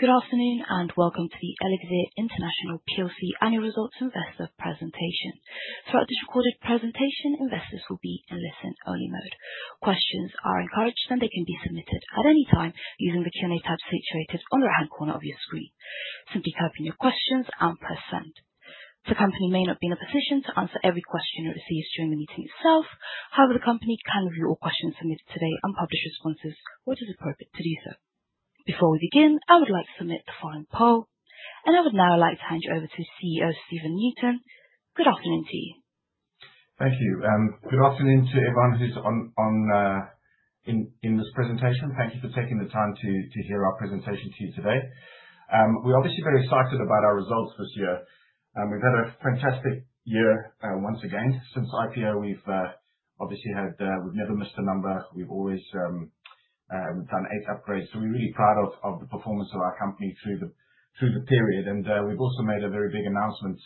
Good afternoon and welcome to the Elixirr International PLC Annual Results Investor Presentation. Throughout this recorded presentation, investors will be in listen-only mode. Questions are encouraged, and they can be submitted at any time using the Q&A tab situated on the right-hand corner of your screen. Simply type in your questions and press send. The company may not be in a position to answer every question it receives during the meeting itself; however, the company can review all questions submitted today and publish responses where it is appropriate to do so. Before we begin, I would like to submit the following poll, and I would now like to hand you over to CEO Stephen Newton. Good afternoon to you. Thank you. Good afternoon to everyone who's in this presentation. Thank you for taking the time to hear our presentation today. We're obviously very excited about our results this year. We've had a fantastic year once again. Since IPO, we've obviously had—we've never missed a number. We've always done eight upgrades, so we're really proud of the performance of our company through the period, and we've also made a very big announcement,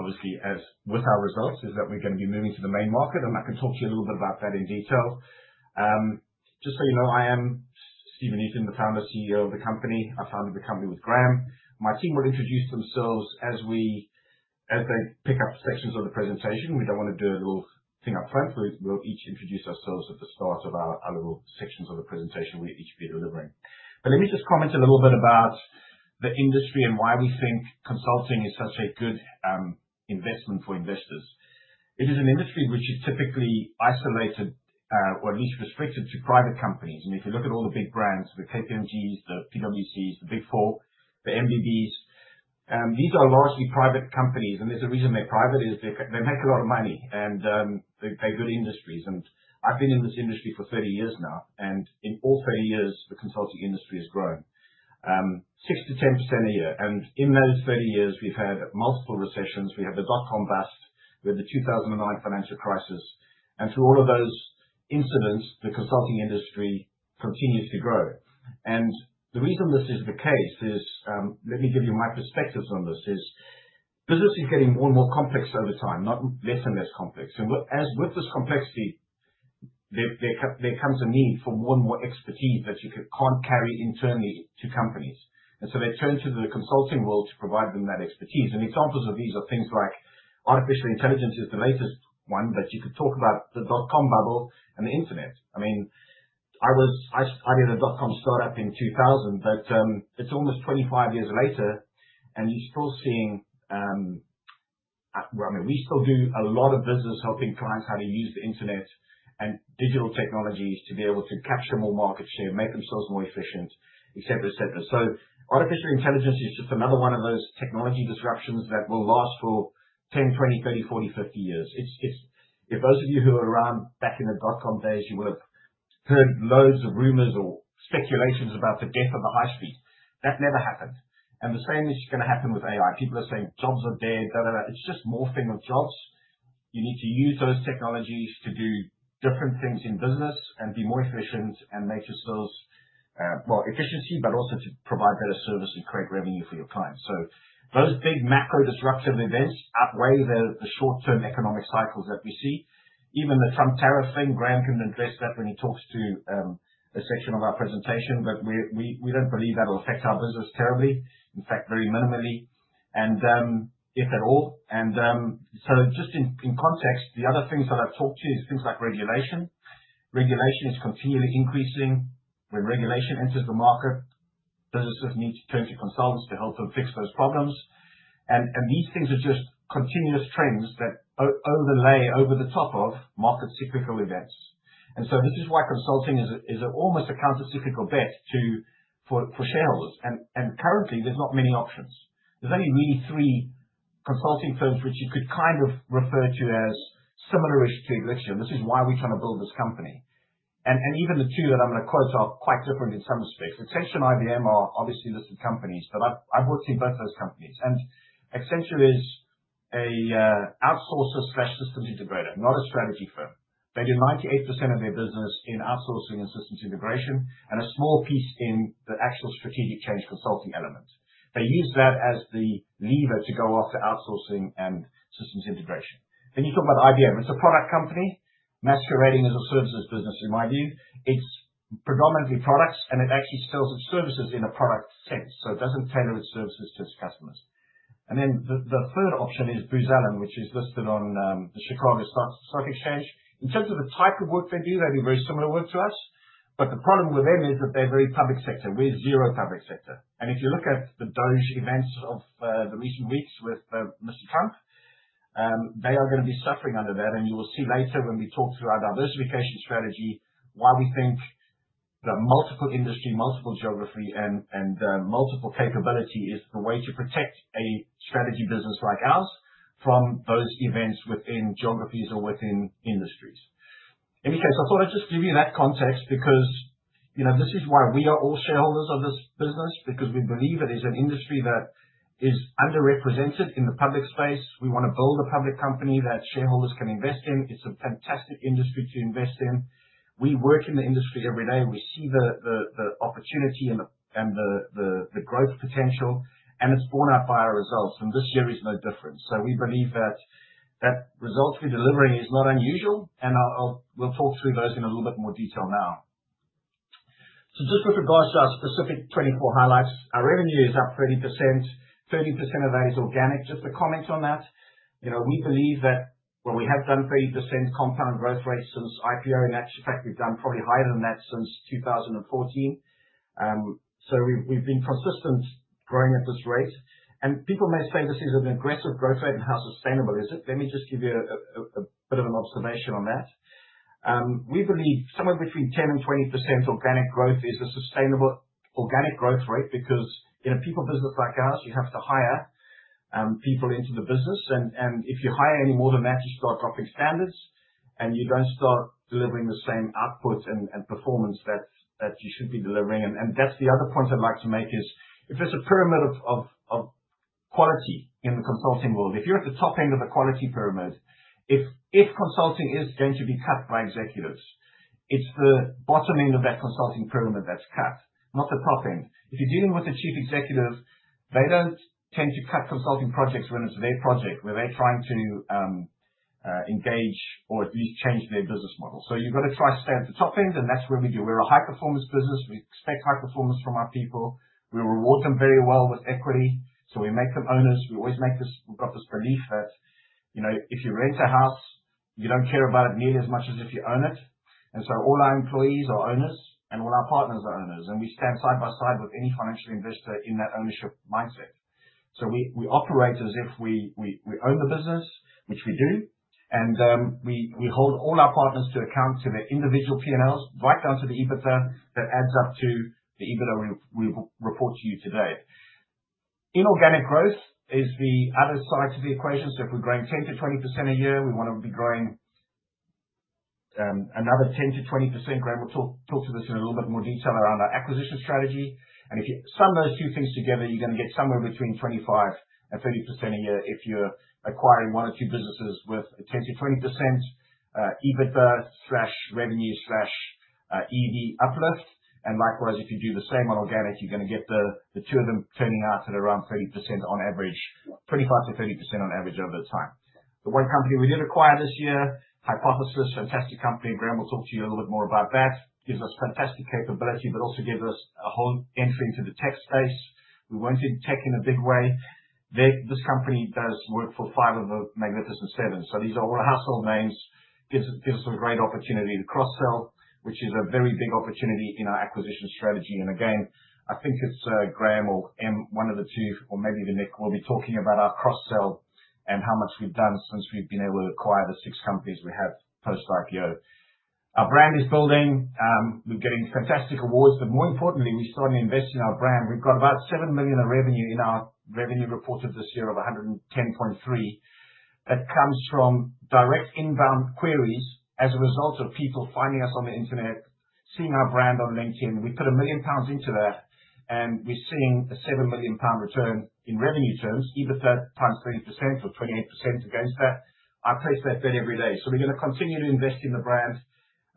obviously, with our results, is that we're going to be moving to the Main Market, and I can talk to you a little bit about that in detail. Just so you know, I am Stephen Newton, the founder and CEO of the company. I founded the company with Graham. My team will introduce themselves as they pick up sections of the presentation. We don't want to do a little thing up front. We'll each introduce ourselves at the start of our little sections of the presentation we each be delivering, but let me just comment a little bit about the industry and why we think consulting is such a good investment for investors. It is an industry which is typically isolated, or at least restricted, to private companies, and if you look at all the big brands, the KPMGs, the PwCs, the Big Four, the MBBs, these are largely private companies, and there's a reason they're private: they make a lot of money, and they're good industries. And I've been in this industry for 30 years now, and in all 30 years, the consulting industry has grown 6%-10% a year, and in those 30 years, we've had multiple recessions. We had the dot-com bust. We had the 2009 financial crisis. And through all of those incidents, the consulting industry continues to grow. And the reason this is the case is, let me give you my perspectives on this, is business is getting more and more complex over time, not less and less complex. And with this complexity, there comes a need for more and more expertise that you can't carry internally to companies. And so they turn to the consulting world to provide them that expertise. And examples of these are things like artificial intelligence is the latest one, but you could talk about the dot-com bubble and the internet. I mean, I did a dot-com startup in 2000, but it's almost 25 years later, and you're still seeing, I mean, we still do a lot of business helping clients how to use the internet and digital technologies to be able to capture more market share, make themselves more efficient, etc., etc. Artificial intelligence is just another one of those technology disruptions that will last for 10, 20, 30, 40, 50 years. If those of you who are around back in the dot-com days, you will have heard loads of rumors or speculations about the death of the high street. That never happened. And the same is going to happen with AI. People are saying jobs are dead, blah, blah, blah. It's just more thing of jobs. You need to use those technologies to do different things in business and be more efficient and make yourselves, well, efficiency, but also to provide better service and create revenue for your clients. So those big macro disruptive events outweigh the short-term economic cycles that we see. Even the Trump tariff thing, Graham can address that when he talks to a section of our presentation, but we don't believe that will affect our business terribly, in fact, very minimally, if at all, and so just in context, the other things that I've talked to is things like regulation. Regulation is continually increasing. When regulation enters the market, businesses need to turn to consultants to help them fix those problems, and these things are just continuous trends that overlay over the top of market cyclical events, and so this is why consulting is almost a countercyclical bet for shareholders, and currently, there's not many options. There's only really three consulting firms which you could kind of refer to as similar to Elixirr. This is why we're trying to build this company, and even the two that I'm going to quote are quite different in some respects. Accenture and IBM are obviously listed companies, but I've worked in both those companies, and Accenture is an outsourcer/systems integrator, not a strategy firm. They do 98% of their business in outsourcing and systems integration and a small piece in the actual strategic change consulting element. They use that as the lever to go after outsourcing and systems integration. Then you talk about IBM. It's a product company masquerading as a services business. In my view, it's predominantly products, and it actually sells its services in a product sense. So it doesn't tailor its services to its customers. And then the third option is Booz Allen, which is listed on the New York Stock Exchange. In terms of the type of work they do, they do very similar work to us. But the problem with them is that they're very public sector. We're zero public sector. If you look at the DOGE events of the recent weeks with Mr. Trump, they are going to be suffering under that. You will see later when we talk through our diversification strategy why we think the multiple industry, multiple geography, and multiple capability is the way to protect a strategy business like ours from those events within geographies or within industries. In any case, I thought I'd just give you that context because this is why we are all shareholders of this business, because we believe it is an industry that is underrepresented in the public space. We want to build a public company that shareholders can invest in. It's a fantastic industry to invest in. We work in the industry every day. We see the opportunity and the growth potential, and it's borne out by our results. This year is no different. We believe that results we're delivering are not unusual, and we'll talk through those in a little bit more detail now. Just with regards to our specific 24 highlights, our revenue is up 30%. 30% of that is organic. Just to comment on that, we believe that, well, we have done 30% compound growth rate since IPO, and actually, in fact, we've done probably higher than that since 2014. We've been consistent growing at this rate. People may say this is an aggressive growth rate, and how sustainable is it? Let me just give you a bit of an observation on that. We believe somewhere between 10% and 20% organic growth is a sustainable organic growth rate because in a people business like ours, you have to hire people into the business. And if you hire any more than that, you start dropping standards, and you don't start delivering the same output and performance that you should be delivering. And that's the other point I'd like to make is if there's a pyramid of quality in the consulting world, if you're at the top end of the quality pyramid, if consulting is going to be cut by executives, it's the bottom end of that consulting pyramid that's cut, not the top end. If you're dealing with a chief executive, they don't tend to cut consulting projects when it's their project, where they're trying to engage or at least change their business model. So you've got to try to stay at the top end, and that's what we do. We're a high-performance business. We expect high performance from our people. We reward them very well with equity. So we make them owners. We always make this—we've got this belief that if you rent a house, you don't care about it nearly as much as if you own it. And so all our employees are owners, and all our partners are owners. And we stand side by side with any financial investor in that ownership mindset. So we operate as if we own the business, which we do. And we hold all our partners to account to their individual P&Ls, right down to the EBITDA that adds up to the EBITDA we report to you today. Inorganic growth is the other side to the equation. So if we're growing 10%-20% a year, we want to be growing another 10%-20%. Graham will talk to this in a little bit more detail around our acquisition strategy. And if you sum those two things together, you're going to get somewhere between 25% and 30% a year if you're acquiring one or two businesses with a 10%-20% EBITDA/revenue/EV uplift. And likewise, if you do the same on organic, you're going to get the two of them turning out at around 30% on average, 25%-30% on average over time. The one company we did acquire this year, Hypothesis, fantastic company. Graham will talk to you a little bit more about that. Gives us fantastic capability, but also gives us a whole entry into the tech space. We weren't in tech in a big way. This company does work for five of the Magnificent Seven. So these are all household names. Gives us a great opportunity to cross-sell, which is a very big opportunity in our acquisition strategy. And again, I think it's Graham or Em, one of the two, or maybe Nick, will be talking about our cross-sell and how much we've done since we've been able to acquire the six companies we have post-IPO. Our brand is building. We're getting fantastic awards. But more importantly, we started investing in our brand. We've got about 7 million of revenue in our reported revenue this year of 110.3 million that comes from direct inbound queries as a result of people finding us on the internet, seeing our brand on LinkedIn. We put 1 billion pounds into that, and we're seeing a 7 million pound return in revenue terms, EBITDA times 30% or 28% against that. I take that bet every day. So we're going to continue to invest in the brand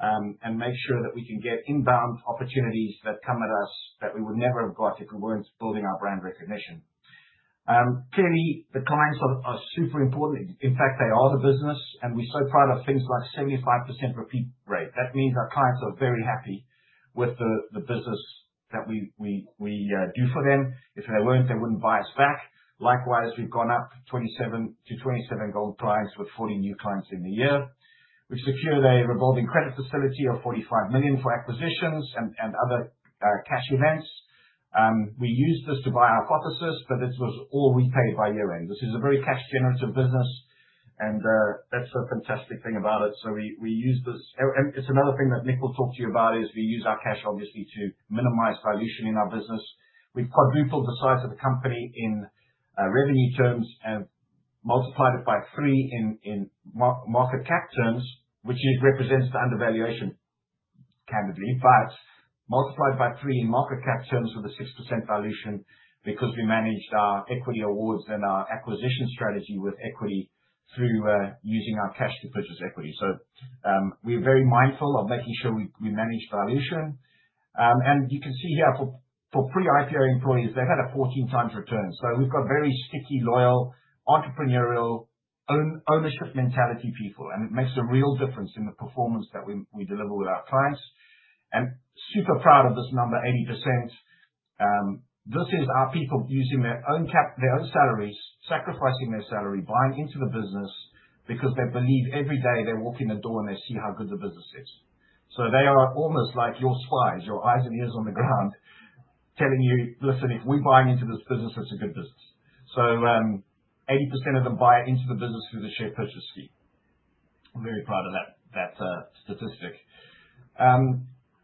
and make sure that we can get inbound opportunities that come at us that we would never have got if we weren't building our brand recognition. Clearly, the clients are super important. In fact, they are the business, and we're so proud of things like 75% repeat rate. That means our clients are very happy with the business that we do for them. If they weren't, they wouldn't buy us back. Likewise, we've gone up 27 to 27 gold clients with 40 new clients in the year. We've secured a revolving credit facility of 45 million for acquisitions and other cash events. We use this to buy Hypothesis, but this was all repaid by year-end. This is a very cash-generative business, and that's the fantastic thing about it. We use this, and it's another thing that Nick will talk to you about, is we use our cash, obviously, to minimize dilution in our business. We've quadrupled the size of the company in revenue terms and multiplied it by three in market cap terms, which represents the undervaluation, candidly, but multiplied by three in market cap terms with a 6% dilution because we managed our equity awards and our acquisition strategy with equity through using our cash to purchase equity. We're very mindful of making sure we manage dilution. You can see here for pre-IPO employees, they've had a 14 times return. We've got very sticky, loyal, entrepreneurial, ownership mentality people, and it makes a real difference in the performance that we deliver with our clients. Super proud of this number, 80%. This is our people using their own salaries, sacrificing their salary, buying into the business because they believe every day they walk in the door and they see how good the business is. So they are almost like your spies, your eyes and ears on the ground, telling you, "Listen, if we're buying into this business, it's a good business." So 80% of them buy into the business through the share purchase fee. I'm very proud of that statistic.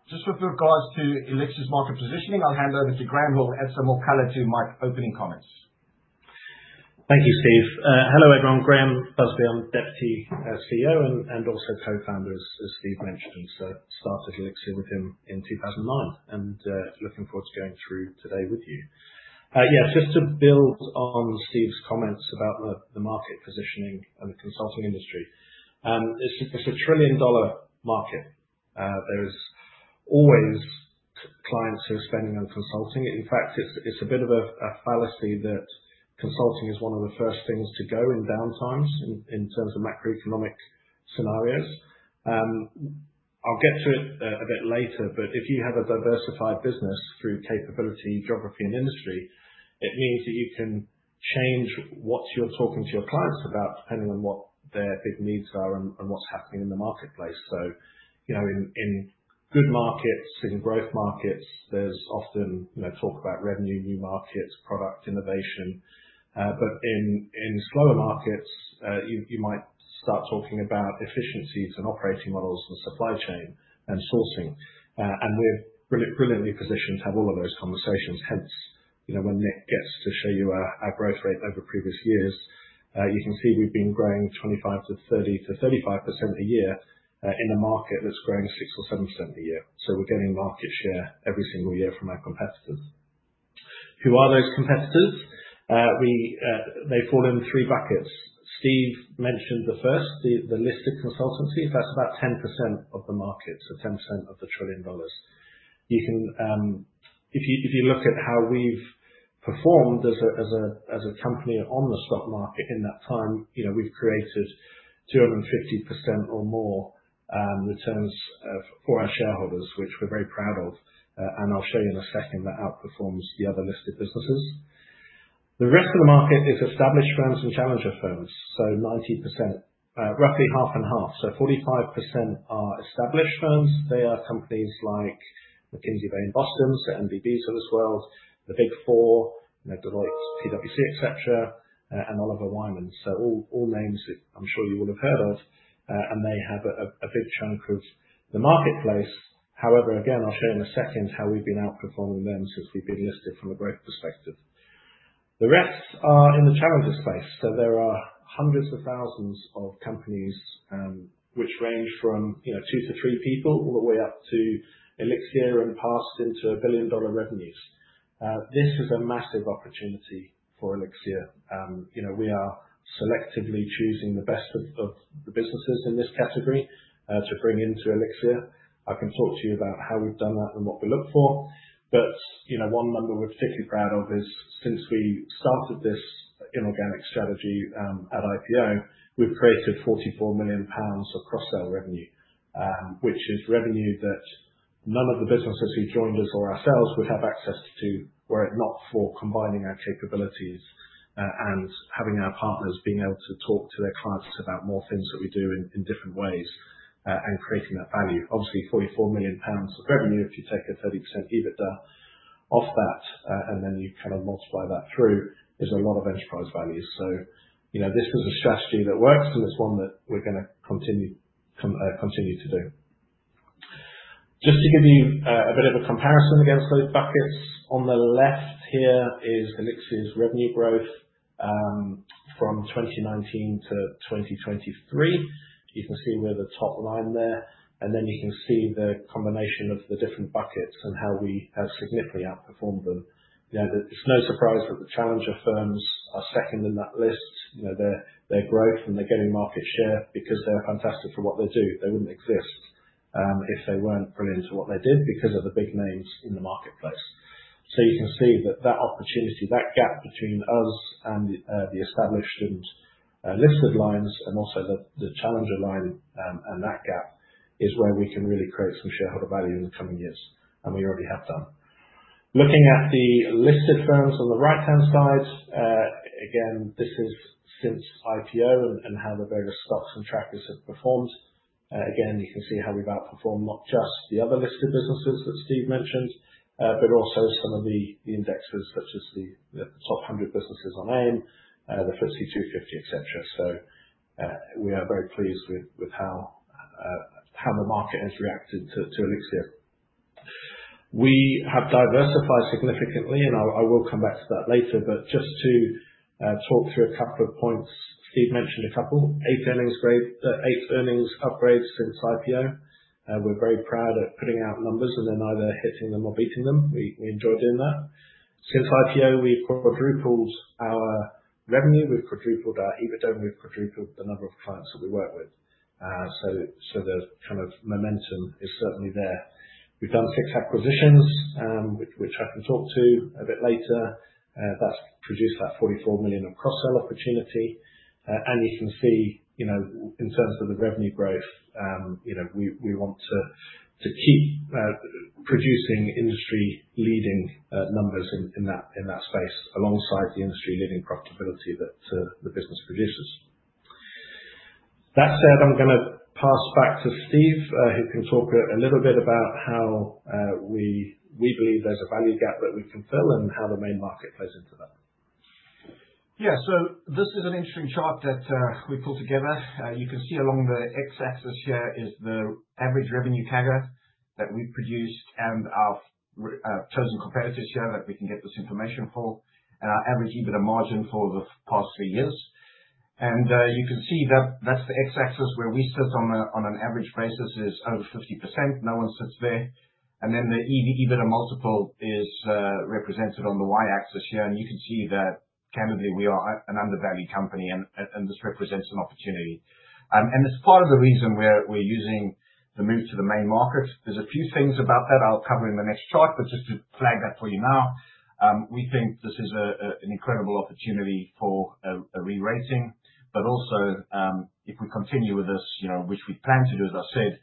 Just with regards to Elixirr's market positioning, I'll hand over to Graham, who will add some more color to my opening comments. Thank you, Steve. Hello, everyone. Graham Busby, I'm deputy CEO and also co-founder, as Steve mentioned. So started Elixirr with him in 2009 and looking forward to going through today with you. Yeah, just to build on Steve's comments about the market positioning and the consulting industry, it's a $1 trillion market. There are always clients who are spending on consulting. In fact, it's a bit of a fallacy that consulting is one of the first things to go in downtimes in terms of macroeconomic scenarios. I'll get to it a bit later, but if you have a diversified business through capability, geography, and industry, it means that you can change what you're talking to your clients about depending on what their big needs are and what's happening in the marketplace. So in good markets, in growth markets, there's often talk about revenue, new markets, product innovation. But in slower markets, you might start talking about efficiencies and operating models and supply chain and sourcing. And we're brilliantly positioned to have all of those conversations. Hence, when Nick gets to show you our growth rate over previous years, you can see we've been growing 25% to 30% to 35% a year in a market that's growing 6% or 7% a year. So we're getting market share every single year from our competitors. Who are those competitors? They fall in three buckets. Steve mentioned the first, the listed consultancy. That's about 10% of the market, so 10% of the $1 trillion. If you look at how we've performed as a company on the stock market in that time, we've created 250% or more returns for our shareholders, which we're very proud of, and I'll show you in a second that outperforms the other listed businesses. The rest of the market is established firms and challenger firms. So 90%, roughly half and half. So 45% are established firms. They are companies like McKinsey, Bain, Boston, MBBs of this world, the Big Four, Deloitte, PwC, etc., and Oliver Wyman. So all names that I'm sure you will have heard of. And they have a big chunk of the marketplace. However, again, I'll show you in a second how we've been outperforming them since we've been listed from a growth perspective. The rest are in the challenger space. So there are hundreds of thousands of companies which range from two to three people all the way up to Elixirr and past into a billion-dollar revenues. This is a massive opportunity for Elixirr. We are selectively choosing the best of the businesses in this category to bring into Elixirr. I can talk to you about how we've done that and what we look for. But one number we're particularly proud of is since we started this inorganic strategy at IPO, we've created 44 million pounds of cross-sell revenue, which is revenue that none of the businesses who joined us or ourselves would have access to were it not for combining our capabilities and having our partners being able to talk to their clients about more things that we do in different ways and creating that value. Obviously, GBP 44 million of revenue, if you take a 30% EBITDA off that, and then you kind of multiply that through, is a lot of enterprise value. So this is a strategy that works, and it's one that we're going to continue to do. Just to give you a bit of a comparison against those buckets, on the left here is Elixirr's revenue growth from 2019 to 2023. You can see where the top line there. And then you can see the combination of the different buckets and how we have significantly outperformed them. It's no surprise that the challenger firms are second in that list. Their growth and they're getting market share because they're fantastic for what they do. They wouldn't exist if they weren't brilliant at what they did because of the big names in the marketplace. So you can see that that opportunity, that gap between us and the established and listed lines and also the challenger line and that gap is where we can really create some shareholder value in the coming years, and we already have done. Looking at the listed firms on the right-hand side, again, this is since IPO and how the various stocks and trackers have performed. Again, you can see how we've outperformed not just the other listed businesses that Steve mentioned, but also some of the indexes such as the top 100 businesses on AIM, the FTSE 250, etc. So we are very pleased with how the market has reacted to Elixirr. We have diversified significantly, and I will come back to that later, but just to talk through a couple of points. Steve mentioned a couple: eight earnings upgrades since IPO. We're very proud of putting out numbers and then either hitting them or beating them. We enjoy doing that. Since IPO, we've quadrupled our revenue. We've quadrupled our EBITDA, and we've quadrupled the number of clients that we work with. So the kind of momentum is certainly there. We've done six acquisitions, which I can talk to a bit later. That's produced that 44 million of cross-sell opportunity. You can see, in terms of the revenue growth, we want to keep producing industry-leading numbers in that space alongside the industry-leading profitability that the business produces. That said, I'm going to pass back to Steve, who can talk a little bit about how we believe there's a value gap that we can fill and how the Main Market plays into that. Yeah, so this is an interesting chart that we pulled together. You can see along the X-axis here is the average revenue CAGR that we've produced and our chosen competitors here that we can get this information for, and our average EBITDA margin for the past three years. You can see that that's the X-axis where we sit on an average basis is over 50%. No one sits there. Then the EBITDA multiple is represented on the Y-axis here. You can see that, candidly, we are an undervalued company, and this represents an opportunity. It's part of the reason we're using the move to the Main Market. There's a few things about that I'll cover in the next chart, but just to flag that for you now, we think this is an incredible opportunity for a re-rating. If we continue with this, which we plan to do, as I said,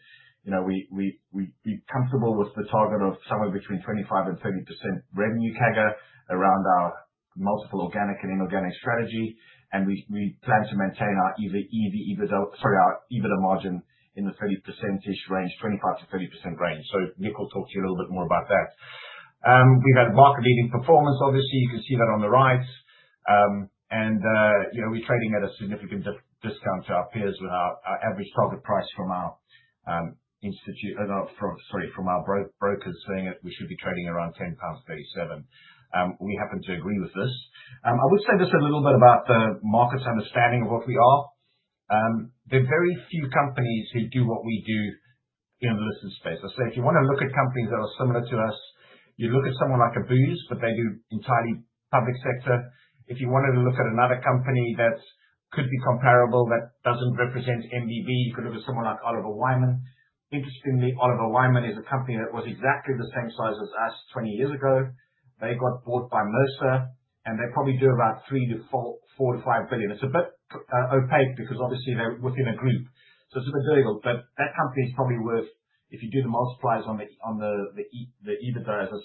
we're comfortable with the target of somewhere between 25% and 30% revenue CAGR around our multiple organic and inorganic strategy. We plan to maintain our EBITDA margin in the 30%-ish range, 25%-30% range. Nick will talk to you a little bit more about that. We've had market-leading performance, obviously. You can see that on the right. And we're trading at a significant discount to our peers with our average target price from our institute, sorry, from our brokers saying that we should be trading around 10.37 pounds. We happen to agree with this. I will say this a little bit about the market's understanding of what we are. There are very few companies who do what we do in the listed space. I say if you want to look at companies that are similar to us, you look at someone like Booz Allen Hamilton, but they do entirely public sector. If you wanted to look at another company that could be comparable that doesn't represent MBB, you could look at someone like Oliver Wyman. Interestingly, Oliver Wyman is a company that was exactly the same size as us 20 years ago. They got bought by Mercer, and they probably do about $3-$5 billion. It's a bit opaque because, obviously, they're within a group. So it's a bit difficult. But that company is probably worth, if you do the multipliers on the EBITDA as a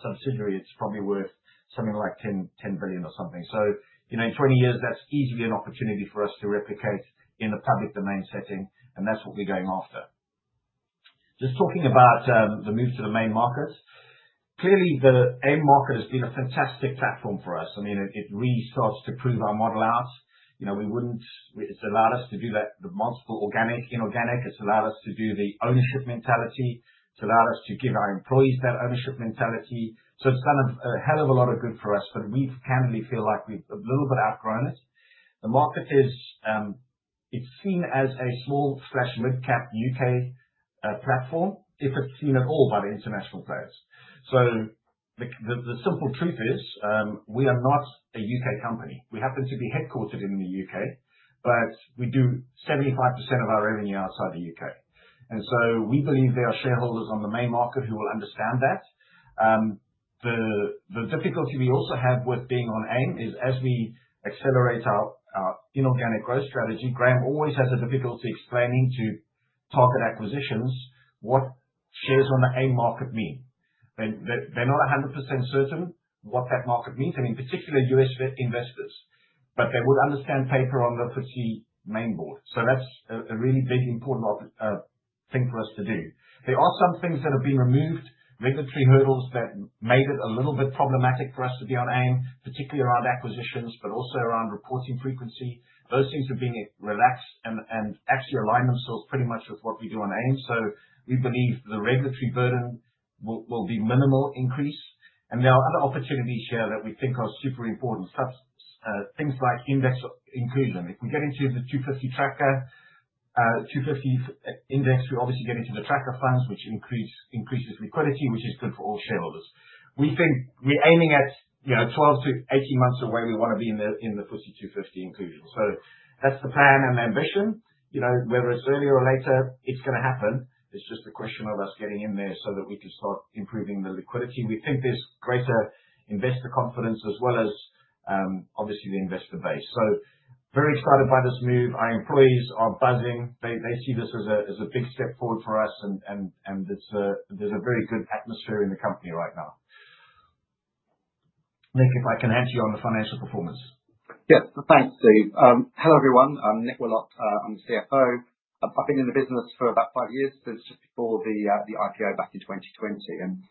subsidiary, it's probably worth something like 10 billion or something. So in 20 years, that's easily an opportunity for us to replicate in a public domain setting, and that's what we're going after. Just talking about the move to the Main Market, clearly, the AIM market has been a fantastic platform for us. I mean, it really starts to prove our model out. It's allowed us to do the multiple organic, inorganic. It's allowed us to do the ownership mentality. It's allowed us to give our employees that ownership mentality. So it's done a hell of a lot of good for us, but we candidly feel like we've a little bit outgrown it. The market is seen as a small, flash mid-cap U.K. platform, if it's seen at all by the international players. So the simple truth is we are not a U.K. company. We happen to be headquartered in the U.K., but we do 75% of our revenue outside the U.K. And so we believe there are shareholders on the main market who will understand that. The difficulty we also have with being on AIM is, as we accelerate our inorganic growth strategy, Graham always has a difficulty explaining to target acquisitions what shares on the AIM market mean. They're not 100% certain what that market means, and in particular, U.S. investors, but they would understand paper on the FTSE main board. So that's a really big, important thing for us to do. There are some things that have been removed, regulatory hurdles that made it a little bit problematic for us to be on AIM, particularly around acquisitions, but also around reporting frequency. Those things have been relaxed and actually align themselves pretty much with what we do on AIM. So we believe the regulatory burden will be minimal increase, and there are other opportunities here that we think are super important, things like index inclusion. If we get into the 250 tracker, 250 index, we obviously get into the tracker funds, which increases liquidity, which is good for all shareholders. We think we're aiming at 12 to 18 months away. We want to be in the FTSE 250 inclusion, so that's the plan and the ambition. Whether it's early or later, it's going to happen. It's just a question of us getting in there so that we can start improving the liquidity. We think there's greater investor confidence as well as, obviously, the investor base. So very excited by this move. Our employees are buzzing. They see this as a big step forward for us, and there's a very good atmosphere in the company right now. Nick, if I can add to you on the financial performance. Yeah, thanks, Steve. Hello, everyone. I'm Nick Willott. I'm the CFO. I've been in the business for about five years. This was just before the IPO back in 2020, and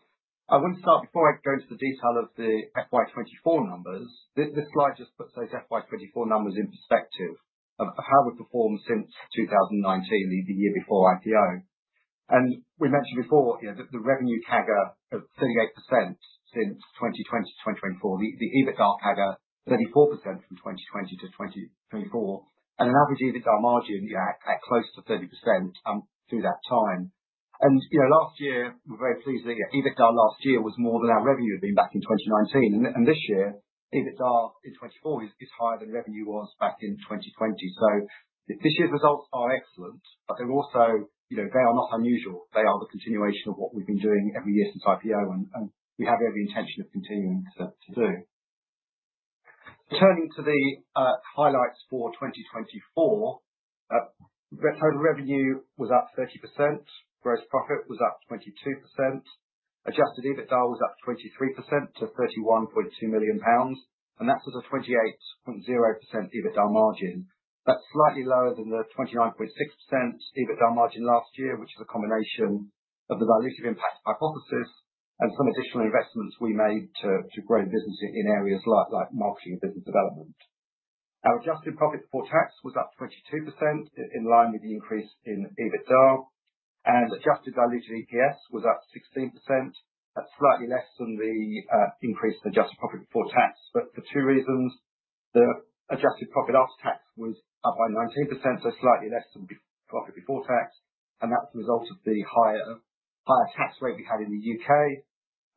I want to start, before I go into the detail of the FY24 numbers, this slide just puts those FY24 numbers in perspective of how we've performed since 2019, the year before IPO. And we mentioned before the revenue CAGR of 38% since 2020 to 2024, the EBITDA CAGR 34% from 2020 to 2024, and an average EBITDA margin at close to 30% through that time. And last year, we're very pleased that EBITDA last year was more than our revenue had been back in 2019. And this year, EBITDA in 2024 is higher than revenue was back in 2020. So this year's results are excellent, but they're also not unusual. They are the continuation of what we've been doing every year since IPO, and we have every intention of continuing to do. Turning to the highlights for 2024, net total revenue was up 30%, gross profit was up 22%, adjusted EBITDA was up 23% to GBP 31.2 million, and that's at a 28.0% EBITDA margin. That's slightly lower than the 29.6% EBITDA margin last year, which is a combination of the dilutive impact Hypothesis and some additional investments we made to grow the business in areas like marketing and business development. Our adjusted profit before tax was up 22% in line with the increase in EBITDA, and adjusted diluted EPS was up 16%. That's slightly less than the increase in adjusted profit before tax, but for two reasons. The adjusted profit after tax was up by 19%, so slightly less than profit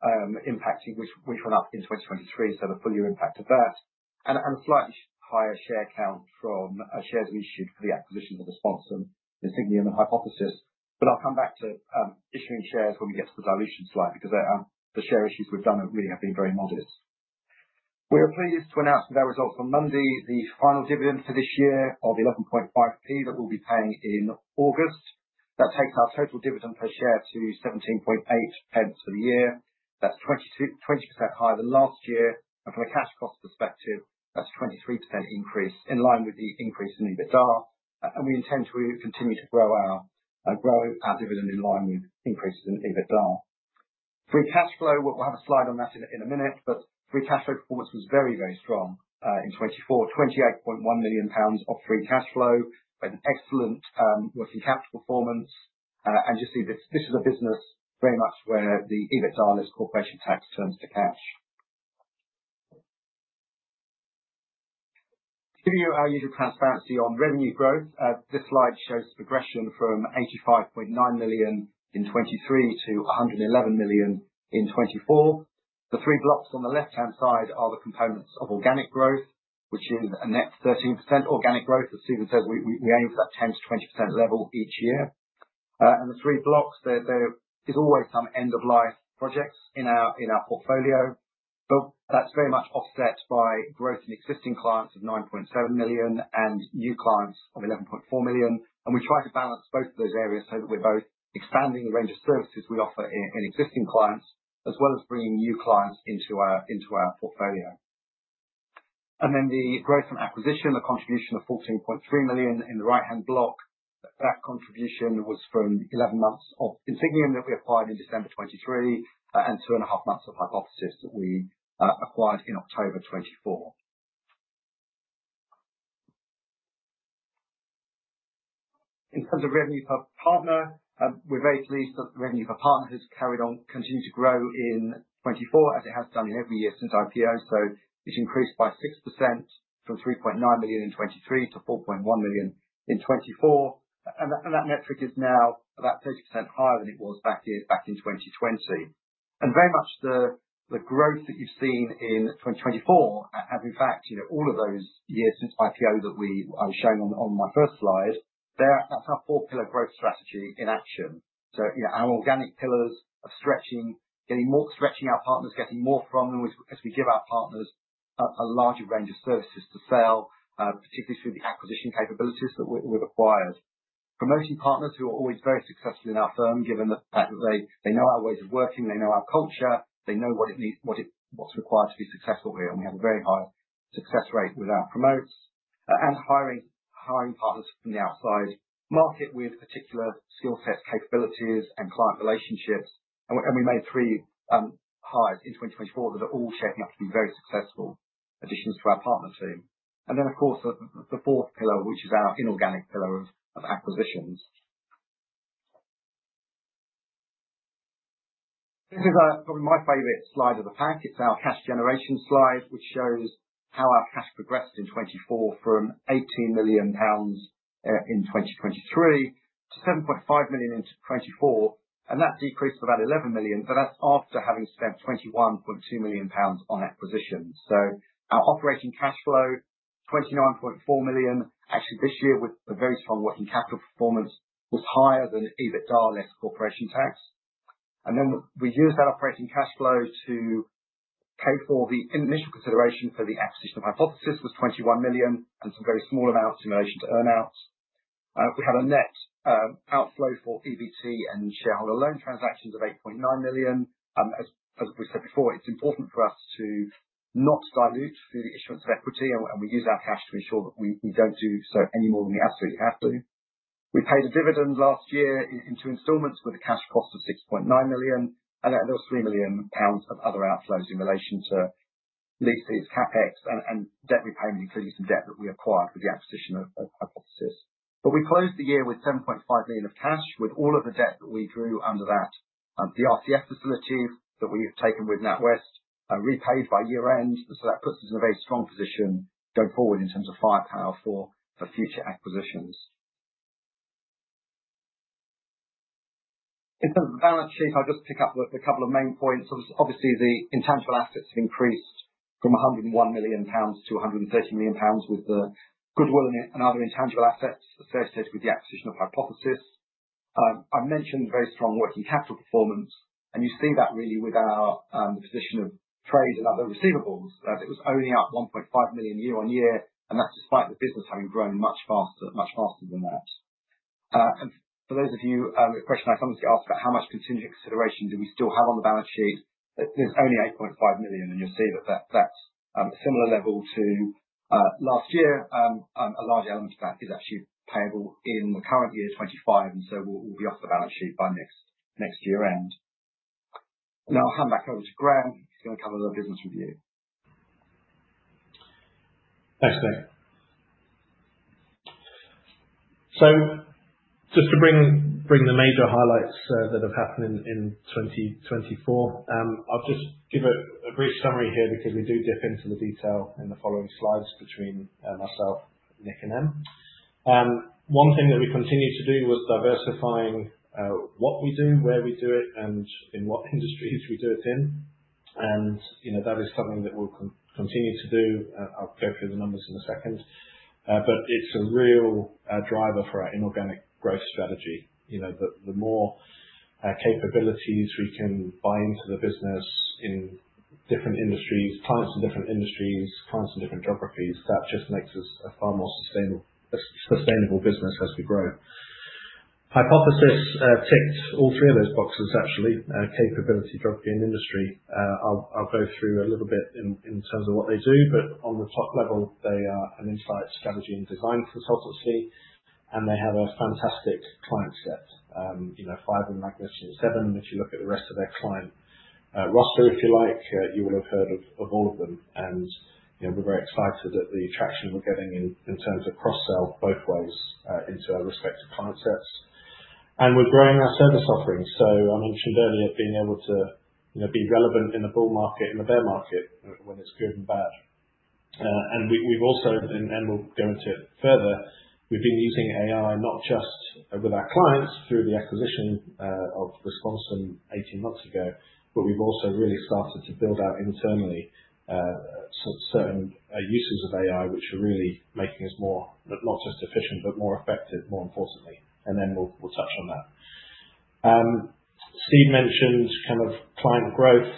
before tax, and that's the result of the higher tax rate we had in the U.K., which went up in 2023, so the full year impact of that, and a slightly higher share count from shares we issued for the acquisitions of Responsum, Insigniam and Hypothesis. But I'll come back to issuing shares when we get to the dilution slide because the share issues we've done really have been very modest. We're pleased to announce with our results on Monday the final dividend for this year of 0.115 that we'll be paying in August. That takes our total dividend per share to 0.178 for the year. That's 20% higher than last year. And from a cash cost perspective, that's a 23% increase in line with the increase in EBITDA. And we intend to continue to grow our dividend in line with increases in EBITDA. Free cash flow, we'll have a slide on that in a minute, but free cash flow performance was very, very strong in 2024, 28.1 million pounds of free cash flow with excellent working capital performance. You see this is a business very much where the EBITDA less corporation tax turns to cash. Giving you our usual transparency on revenue growth, this slide shows the progression from £85.9 million in 2023 to £111 million in 2024. The three blocks on the left-hand side are the components of organic growth, which is a net 13% organic growth. As Stephen says, we aim for that 10%-20% level each year. The three blocks, there is always some end-of-life projects in our portfolio, but that's very much offset by growth in existing clients of £9.7 million and new clients of £11.4 million. We try to balance both of those areas so that we're both expanding the range of services we offer in existing clients as well as bringing new clients into our portfolio. And then the growth from acquisition, the contribution of 14.3 million in the right-hand block, that contribution was from 11 months of Insigniam that we acquired in December 2023 and two and a half months of Hypothesis that we acquired in October 2024. In terms of revenue per partner, we're very pleased that the revenue per partner has carried on, continued to grow in 2024 as it has done in every year since IPO. So it's increased by 6% from 3.9 million in 2023 to 4.1 million in 2024. And that metric is now about 30% higher than it was back in 2020. And very much the growth that you've seen in 2024 has, in fact, all of those years since IPO that I was showing on my first slide, that's our four-pillar growth strategy in action. Our organic pillars of stretching, getting more stretching our partners, getting more from them as we give our partners a larger range of services to sell, particularly through the acquisition capabilities that we've acquired. Promoting partners who are always very successful in our firm, given the fact that they know our ways of working, they know our culture, they know what's required to be successful here. We have a very high success rate with our promotes and hiring partners from the outside market with particular skill sets, capabilities, and client relationships. We made three hires in 2024 that are all shaping up to be very successful additions to our partner team. Of course, the fourth pillar, which is our inorganic pillar of acquisitions. This is probably my favorite slide of the pack. It's our cash generation slide, which shows how our cash progressed in 2024 from 18 million pounds in 2023 to 7.5 million in 2024. That decreased to about 11 million. That's after having spent 21.2 million pounds on acquisitions. Our operating cash flow, 29.4 million, actually this year with a very strong working capital performance was higher than EBITDA less corporation tax. Then we used that operating cash flow to pay for the initial consideration for the acquisition of Hypothesis was 21 million and some very small amount of contingent to earn-out. We had a net outflow for EBT and shareholder loan transactions of 8.9 million. As we said before, it's important for us to not dilute through the issuance of equity, and we use our cash to ensure that we don't do so any more than we absolutely have to. We paid a dividend last year into installments with a cash cost of £6.9 million and another £3 million of other outflows in relation to leases, CapEx, and debt repayment, including some debt that we acquired with the acquisition of Hypothesis. But we closed the year with £7.5 million of cash with all of the debt that we drew under that. The RCF facility that we have taken with NatWest repaid by year-end. So that puts us in a very strong position going forward in terms of firepower for future acquisitions. In terms of the balance sheet, I'll just pick up the couple of main points. Obviously, the intangible assets have increased from £101 million to £130 million with the goodwill and other intangible assets associated with the acquisition of Hypothesis. I mentioned very strong working capital performance, and you see that really with our position of trade and other receivables. It was only up 1.5 million year on year, and that's despite the business having grown much faster than that. And for those of you, a question I sometimes get asked about how much contingent consideration do we still have on the balance sheet. There's only 8.5 million, and you'll see that that's a similar level to last year. A large element of that is actually payable in the current year, 2025, and so we'll be off the balance sheet by next year-end. Now I'll hand back over to Graham. He's going to cover the business review. Thanks, Nick. Just to bring the major highlights that have happened in 2024, I'll just give a brief summary here because we do dip into the detail in the following slides between myself, Nick, and Em. One thing that we continue to do was diversifying what we do, where we do it, and in what industries we do it in. That is something that we'll continue to do. I'll go through the numbers in a second, but it's a real driver for our inorganic growth strategy. The more capabilities we can buy into the business in different industries, clients in different industries, clients in different geographies, that just makes us a far more sustainable business as we grow. Hypothesis ticked all three of those boxes, actually, capability, geography, and industry. I'll go through a little bit in terms of what they do, but on the top level, they are an insight, strategy, and design consultancy, and they have a fantastic client set, five in the Magnificent Seven. And if you look at the rest of their client roster, if you like, you will have heard of all of them. And we're very excited at the traction we're getting in terms of cross-sell both ways into our respective client sets. And we're growing our service offerings. So I mentioned earlier being able to be relevant in the bull market, in the bear market, when it's good and bad. We've also, and we'll go into it further, we've been using AI not just with our clients through the acquisition of Responsum 18 months ago, but we've also really started to build out internally certain uses of AI, which are really making us more not just efficient, but more effective, more importantly. We'll touch on that. Stephen mentioned kind of client growth.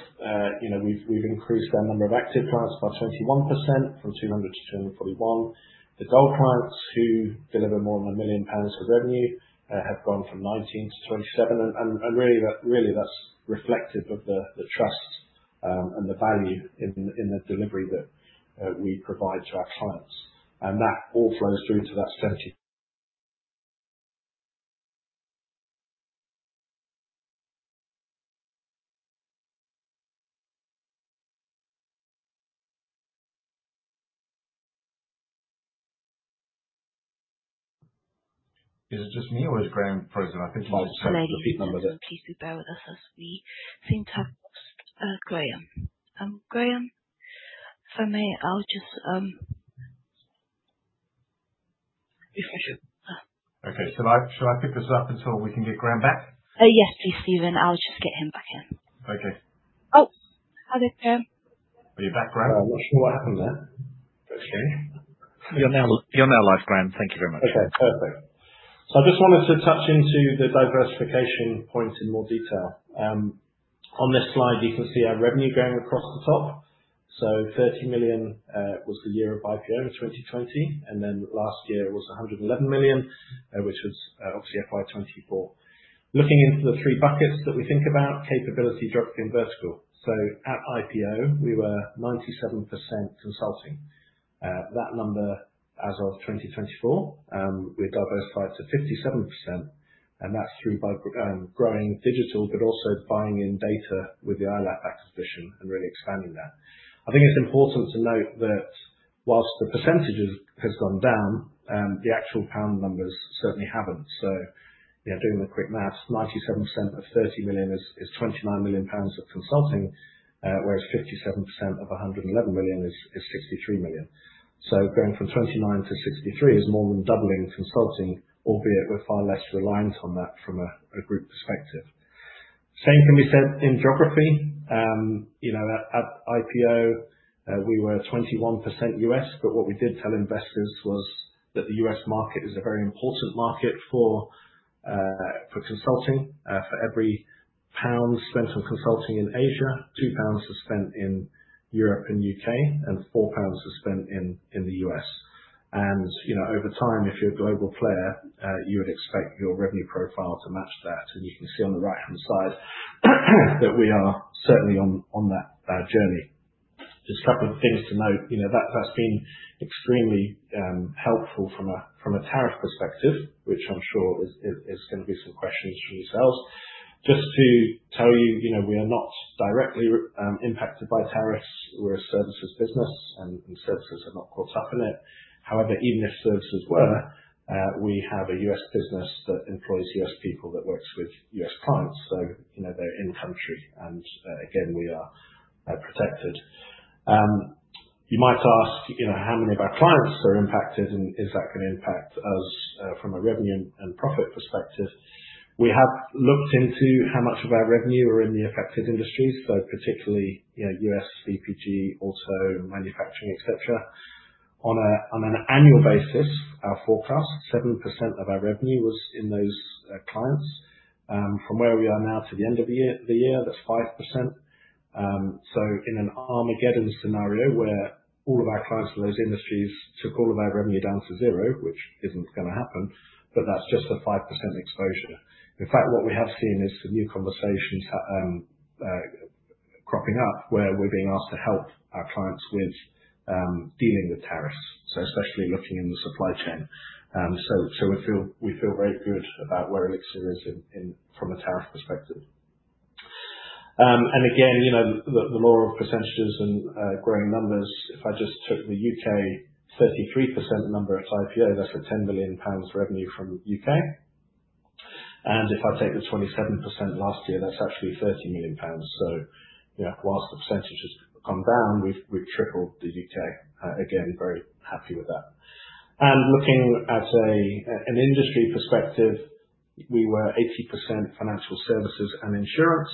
We've increased our number of active clients by 21% from 200 to 241. The gold clients who deliver more than 1 billion pounds of revenue have gone from 19 to 27. Really, that's reflective of the trust and the value in the delivery that we provide to our clients. That all flows through to that 70. Is it just me or is Graham frozen? I think he's repeating number. Please bear with us as we seem to have lost Graham. Graham, if I may. Okay. Shall I pick this up until we can get Graham back? Yes, please, Stephen. I'll just get him back in. Okay. Oh, hi there, Graham. Are you back, Graham? I'm not sure what happened there, actually. You're now live, Graham. Thank you very much. Okay. Perfect. So I just wanted to touch into the diversification point in more detail. On this slide, you can see our revenue going across the top. So 30 million was the year of IPO in 2020, and then last year was 111 million, which was obviously FY24. Looking into the three buckets that we think about: capability, geography, and vertical. So at IPO, we were 97% consulting. That number as of 2024, we've diversified to 57%, and that's through growing digital, but also buying in data with the iOLAP acquisition and really expanding that. I think it's important to note that while the percentage has gone down, the actual pound numbers certainly haven't. So doing a quick math, 97% of 30 million is 29 million pounds of consulting, whereas 57% of 111 million is 63 million. So going from 29 to 63 is more than doubling consulting, albeit we're far less reliant on that from a group perspective. Same can be said in geography. At IPO, we were 21% U.S., but what we did tell investors was that the U.S. market is a very important market for consulting. For every pound spent on consulting in Asia, 2 pounds is spent in Europe and U.K., and 4 pounds is spent in the U.S. And over time, if you're a global player, you would expect your revenue profile to match that. And you can see on the right-hand side that we are certainly on that journey. Just a couple of things to note. That's been extremely helpful from a tariff perspective, which I'm sure is going to be some questions from yourselves. Just to tell you, we are not directly impacted by tariffs. We're a services business, and services are not caught up in it. However, even if services were, we have a U.S. business that employs U.S. people that works with U.S. clients. So they're in-country. And again, we are protected. You might ask how many of our clients are impacted, and is that going to impact us from a revenue and profit perspective? We have looked into how much of our revenue are in the affected industries, so particularly U.S., CPG, auto, manufacturing, etc. On an annual basis, our forecast, 7% of our revenue was in those clients. From where we are now to the end of the year, that's 5%. In an Armageddon scenario where all of our clients in those industries took all of our revenue down to zero, which isn't going to happen, but that's just a 5% exposure. In fact, what we have seen is some new conversations cropping up where we're being asked to help our clients with dealing with tariffs, so especially looking in the supply chain. We feel very good about where Elixirr is from a tariff perspective. Again, the law of percentages and growing numbers, if I just took the U.K. 33% number at IPO, that's a GBP 10 million revenue from U.K. And if I take the 27% last year, that's actually 30 million pounds. While the percentage has come down, we've tripled the U.K. Again, very happy with that. Looking at an industry perspective, we were 80% financial services and insurance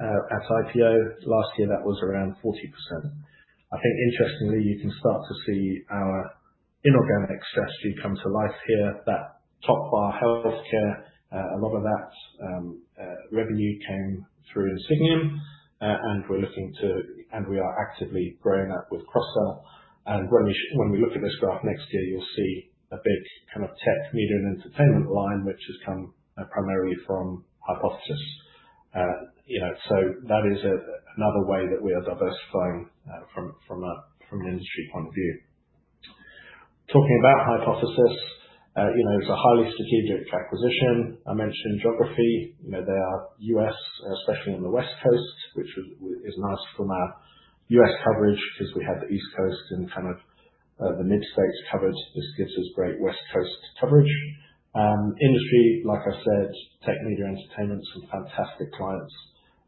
at IPO. Last year, that was around 40%. I think interestingly, you can start to see our inorganic strategy come to life here. That top bar, healthcare, a lot of that revenue came through Insigniam. We're looking to, and we are actively cross-selling. When we look at this graph next year, you'll see a big kind of tech, media, and entertainment line, which has come primarily from Hypothesis. That is another way that we are diversifying from an industry point of view. Talking about Hypothesis, it's a highly strategic acquisition. I mentioned geography. There, the U.S., especially on the West Coast, which is nice from our U.S. coverage because we have the East Coast and kind of the mid-states covered. This gives us great West Coast coverage. Industry, like I said, tech, media, entertainment, some fantastic clients.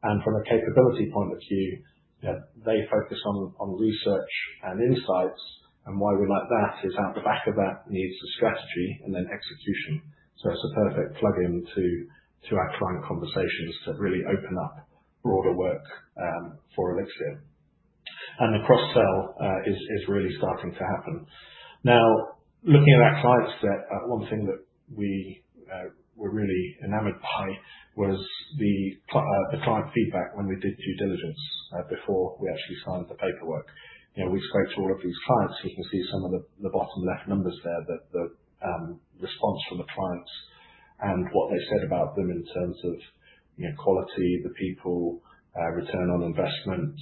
And from a capability point of view, they focus on research and insights. And why we like that is out the back of that needs a strategy and then execution. So it's a perfect plug-in to our client conversations to really open up broader work for Elixirr. And the cross-sell is really starting to happen. Now, looking at our client set, one thing that we were really enamored by was the client feedback when we did due diligence before we actually signed the paperwork. We spoke to all of these clients. You can see some of the bottom left numbers there, the response from the clients and what they said about them in terms of quality, the people, return on investment,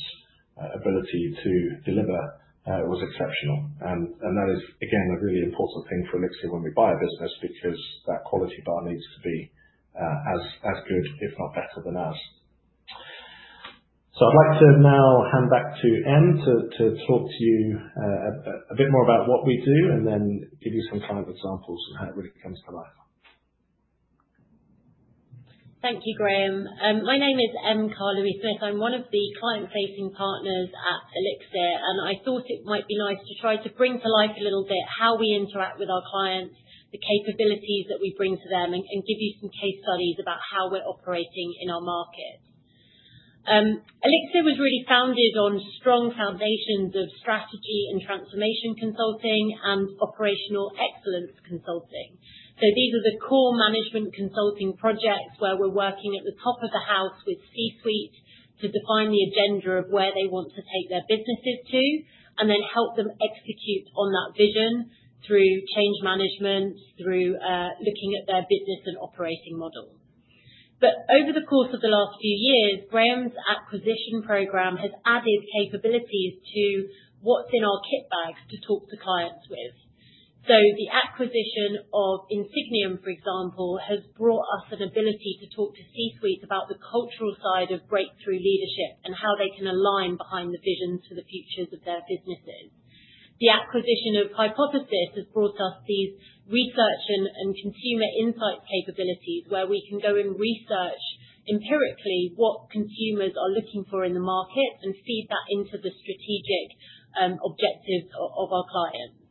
ability to deliver was exceptional. That is, again, a really important thing for Elixirr when we buy a business because that quality bar needs to be as good, if not better than ours. I'd like to now hand back to Em to talk to you a bit more about what we do and then give you some client examples and how it really comes to life. Thank you, Graham. My name is Em Carly-Smith. I'm one of the client-facing partners at Elixirr, and I thought it might be nice to try to bring to life a little bit how we interact with our clients, the capabilities that we bring to them, and give you some case studies about how we're operating in our market. Elixirr was really founded on strong foundations of strategy and transformation consulting and operational excellence consulting. So these are the core management consulting projects where we're working at the top of the house with C-suite to define the agenda of where they want to take their businesses to and then help them execute on that vision through change management, through looking at their business and operating models. But over the course of the last few years, Graham's acquisition program has added capabilities to what's in our kit bags to talk to clients with. So the acquisition of Insigniam, for example, has brought us an ability to talk to C-suite about the cultural side of breakthrough leadership and how they can align behind the visions for the futures of their businesses. The acquisition of Hypothesis has brought us these research and consumer insights capabilities where we can go and research empirically what consumers are looking for in the market and feed that into the strategic objectives of our clients.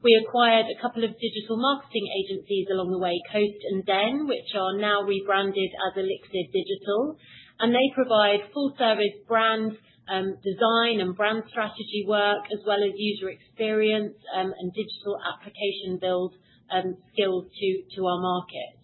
We acquired a couple of digital marketing agencies along the way, Coast and Den, which are now rebranded as Elixirr Digital. And they provide full-service brand design and brand strategy work, as well as user experience and digital application build skills to our markets.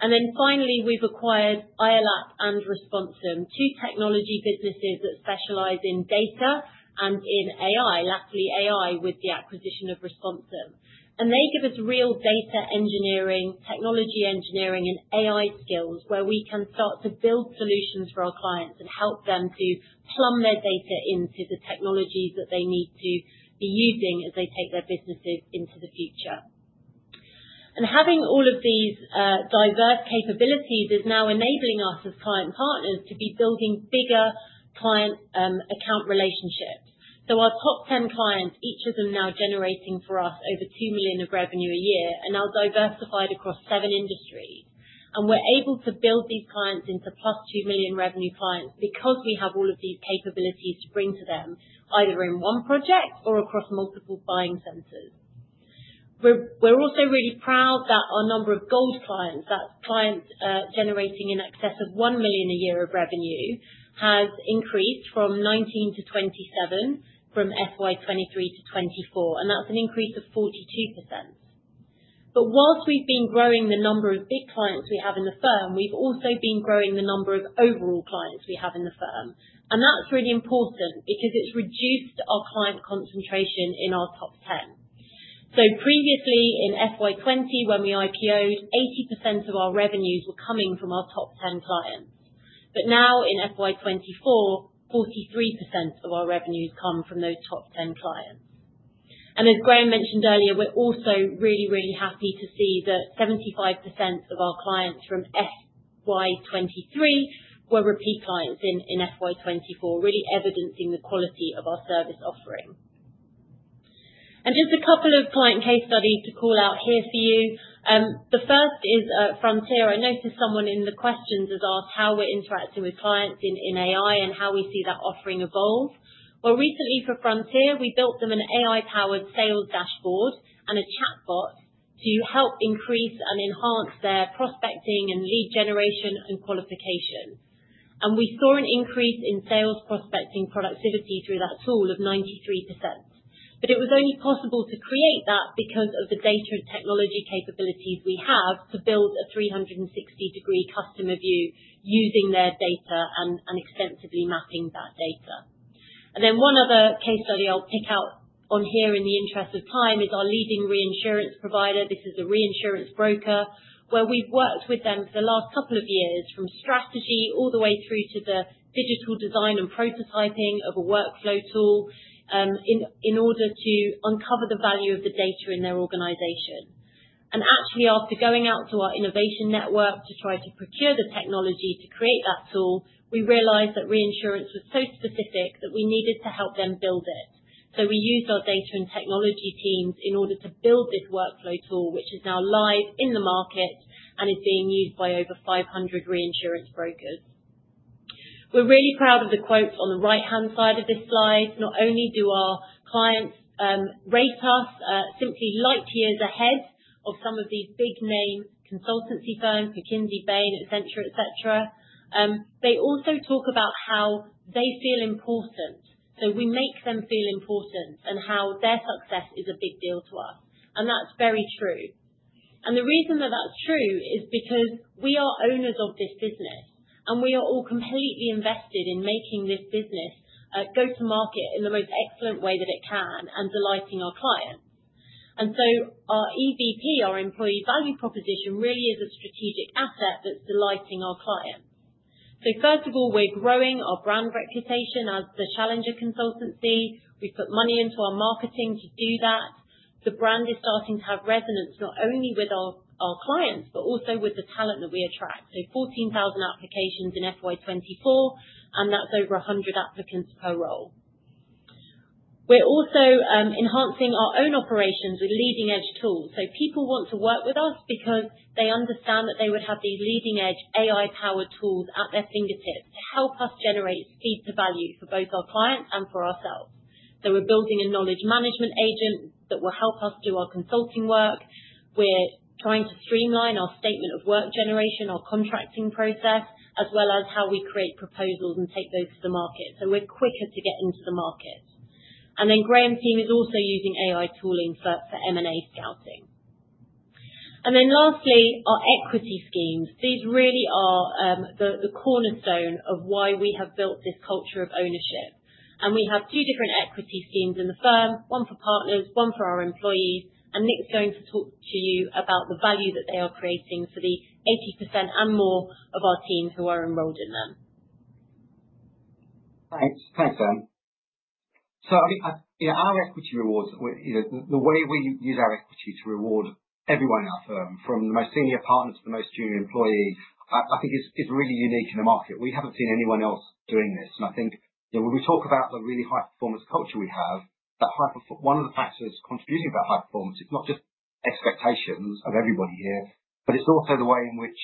And then finally, we've acquired iOLAP and Responsum, two technology businesses that specialize in data and in AI, latterly AI, with the acquisition of Responsum. They give us real data engineering, technology engineering, and AI skills where we can start to build solutions for our clients and help them to plumb their data into the technologies that they need to be using as they take their businesses into the future. Having all of these diverse capabilities is now enabling us as client partners to be building bigger client account relationships. Our top 10 clients, each of them now generating for us over two million of revenue a year, and now diversified across seven industries. We're able to build these clients into plus two million GBP revenue clients because we have all of these capabilities to bring to them either in one project or across multiple buying centers. We're also really proud that our number of gold clients, that's clients generating in excess of 1 billion a year of revenue, has increased from 19 to 27 from FY23 to FY24. And that's an increase of 42%. But whilst we've been growing the number of big clients we have in the firm, we've also been growing the number of overall clients we have in the firm. And that's really important because it's reduced our client concentration in our top 10. So previously in FY20, when we IPOed, 80% of our revenues were coming from our top 10 clients. But now in FY24, 43% of our revenues come from those top 10 clients. And as Graham mentioned earlier, we're also really, really happy to see that 75% of our clients from FY23 were repeat clients in FY24, really evidencing the quality of our service offering. Just a couple of client case studies to call out here for you. The first is Frontier. I noticed someone in the questions has asked how we're interacting with clients in AI and how we see that offering evolve. Recently for Frontier, we built them an AI-powered sales dashboard and a chatbot to help increase and enhance their prospecting and lead generation and qualification. We saw an increase in sales prospecting productivity through that tool of 93%. It was only possible to create that because of the data and technology capabilities we have to build a 360-degree customer view using their data and extensively mapping that data. Then one other case study I'll pick out on here in the interest of time is our leading reinsurance provider. This is a reinsurance broker where we've worked with them for the last couple of years from strategy all the way through to the digital design and prototyping of a workflow tool in order to uncover the value of the data in their organization, and actually, after going out to our innovation network to try to procure the technology to create that tool, we realized that reinsurance was so specific that we needed to help them build it, so we used our data and technology teams in order to build this workflow tool, which is now live in the market and is being used by over 500 reinsurance brokers. We're really proud of the quotes on the right-hand side of this slide. Not only do our clients rate us simply light years ahead of some of these big-name consultancy firms, McKinsey, Bain, etc., etc., they also talk about how they feel important, so we make them feel important and how their success is a big deal to us, and that's very true, and the reason that that's true is because we are owners of this business, and we are all completely invested in making this business go to market in the most excellent way that it can and delighting our clients, and so our EVP, our employee value proposition, really is a strategic asset that's delighting our clients, so first of all, we're growing our brand reputation as the Challenger Consultancy. We've put money into our marketing to do that. The brand is starting to have resonance not only with our clients, but also with the talent that we attract. 14,000 applications in FY24, and that's over 100 applicants per role. We're also enhancing our own operations with leading-edge tools. People want to work with us because they understand that they would have these leading-edge AI-powered tools at their fingertips to help us generate speed-to-value for both our clients and for ourselves. We're building a knowledge management agent that will help us do our consulting work. We're trying to streamline our statement of work generation, our contracting process, as well as how we create proposals and take those to the market. We're quicker to get into the market. Graham's team is also using AI tooling for M&A scouting. Lastly, our equity schemes. These really are the cornerstone of why we have built this culture of ownership. We have two different equity schemes in the firm, one for partners, one for our employees. Nick's going to talk to you about the value that they are creating for the 80% and more of our team who are enrolled in them. Thanks, Em. I mean, our equity rewards, the way we use our equity to reward everyone in our firm, from the most senior partner to the most junior employee, I think is really unique in the market. We haven't seen anyone else doing this. I think when we talk about the really high-performance culture we have, one of the factors contributing to that high performance is not just expectations of everybody here, but it's also the way in which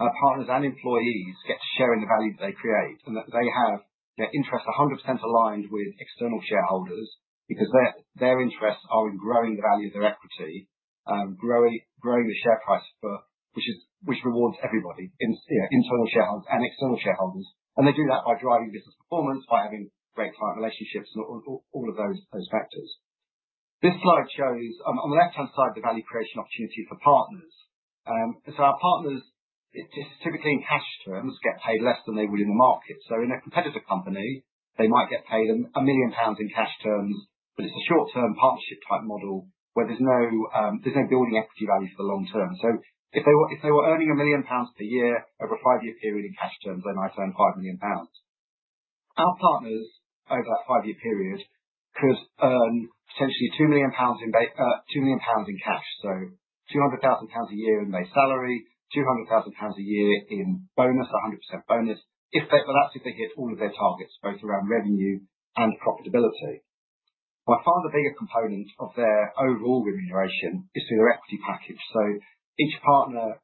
our partners and employees get to share in the value that they create and that they have their interests 100% aligned with external shareholders because their interests are in growing the value of their equity, growing the share price, which rewards everybody, internal shareholders and external shareholders. They do that by driving business performance, by having great client relationships, and all of those factors. This slide shows on the left-hand side the value creation opportunity for partners. So our partners, typically in cash terms, get paid less than they would in the market. In a competitor company, they might get paid 1 billion pounds in cash terms, but it's a short-term partnership-type model where there's no building equity value for the long term. So if they were earning 1 billion pounds per year over a five-year period in cash terms, they might earn 5 million pounds. Our partners, over that five-year period, could earn potentially 2 million pounds in cash, so 200,000 pounds a year in base salary, 200,000 pounds a year in bonus, 100% bonus, but that's if they hit all of their targets, both around revenue and profitability. By far, the bigger component of their overall remuneration is through their equity package. So each partner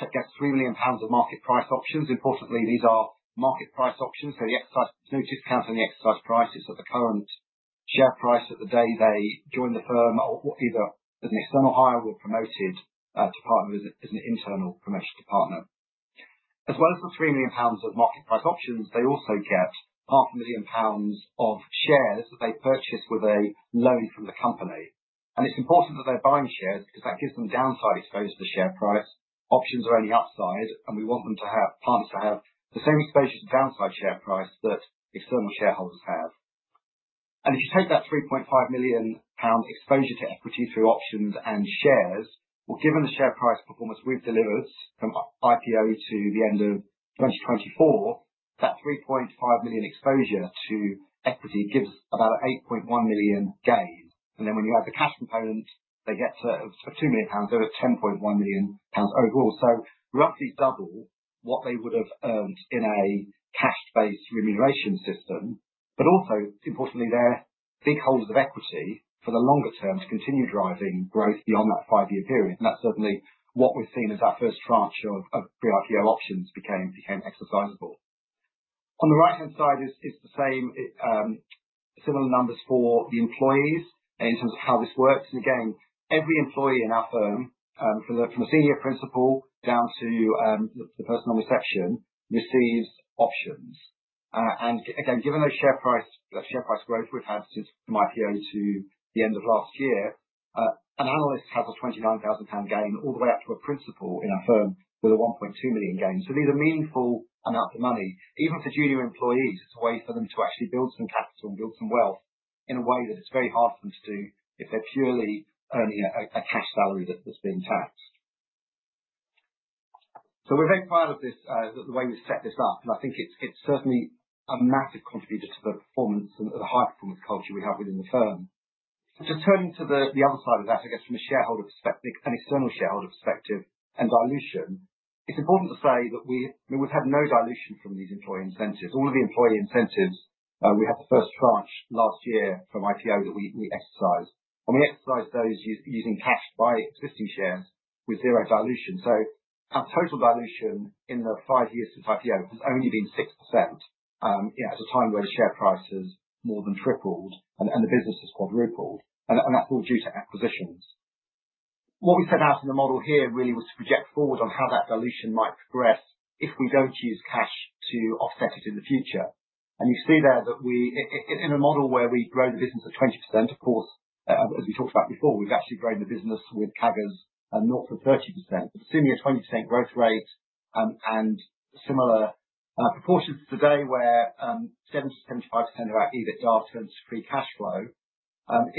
gets 3 million pounds of market price options. Importantly, these are market price options. So there's no discount on the exercise price. It's at the current share price at the day they join the firm, either as an external hire or promoted to partner as an internal promotion to partner. As well as the 3 million pounds of market price options, they also get 500,000 pounds of shares that they purchase with a loan from the company. And it's important that they're buying shares because that gives them downside exposure to the share price. Options are only upside, and we want partners to have the same exposure to downside share price that external shareholders have. And if you take that 3.5 million pound exposure to equity through options and shares, well, given the share price performance we've delivered from IPO to the end of 2024, that 3.5 million exposure to equity gives us about a 8.1 million gain. Then when you add the cash component, they get to 2 million pounds over 10.1 million pounds overall, so roughly double what they would have earned in a cash-based remuneration system. But also, importantly, they're big holders of equity for the longer term to continue driving growth beyond that five-year period. And that's certainly what we've seen as our first tranche of pre-IPO options became exercisable. On the right-hand side is the same similar numbers for the employees in terms of how this works. And again, every employee in our firm, from a senior principal down to the person on reception, receives options. And again, given the share price growth we've had since from IPO to the end of last year, an analyst has a 29,000 pound gain all the way up to a principal in our firm with a 1.2 million gain. So these are meaningful amounts of money. Even for junior employees, it's a way for them to actually build some capital and build some wealth in a way that it's very hard for them to do if they're purely earning a cash salary that's being taxed. So we're very proud of the way we've set this up, and I think it's certainly a massive contributor to the performance and the high-performance culture we have within the firm. Just turning to the other side of that, I guess, from an external shareholder perspective and dilution, it's important to say that we've had no dilution from these employee incentives. All of the employee incentives we had, the first tranche last year from IPO, that we exercised, and we exercised those using cash, buying existing shares with zero dilution. Our total dilution in the five years since IPO has only been 6% at a time where the share price has more than tripled and the business has quadrupled. And that's all due to acquisitions. What we set out in the model here really was to project forward on how that dilution might progress if we don't use cash to offset it in the future. And you see there that in a model where we grow the business at 20%, of course, as we talked about before, we've actually grown the business with CAGRs north of 30%, a similar 20% growth rate, and similar proportions today where 70%-75% of our EBITDA turns to free cash flow.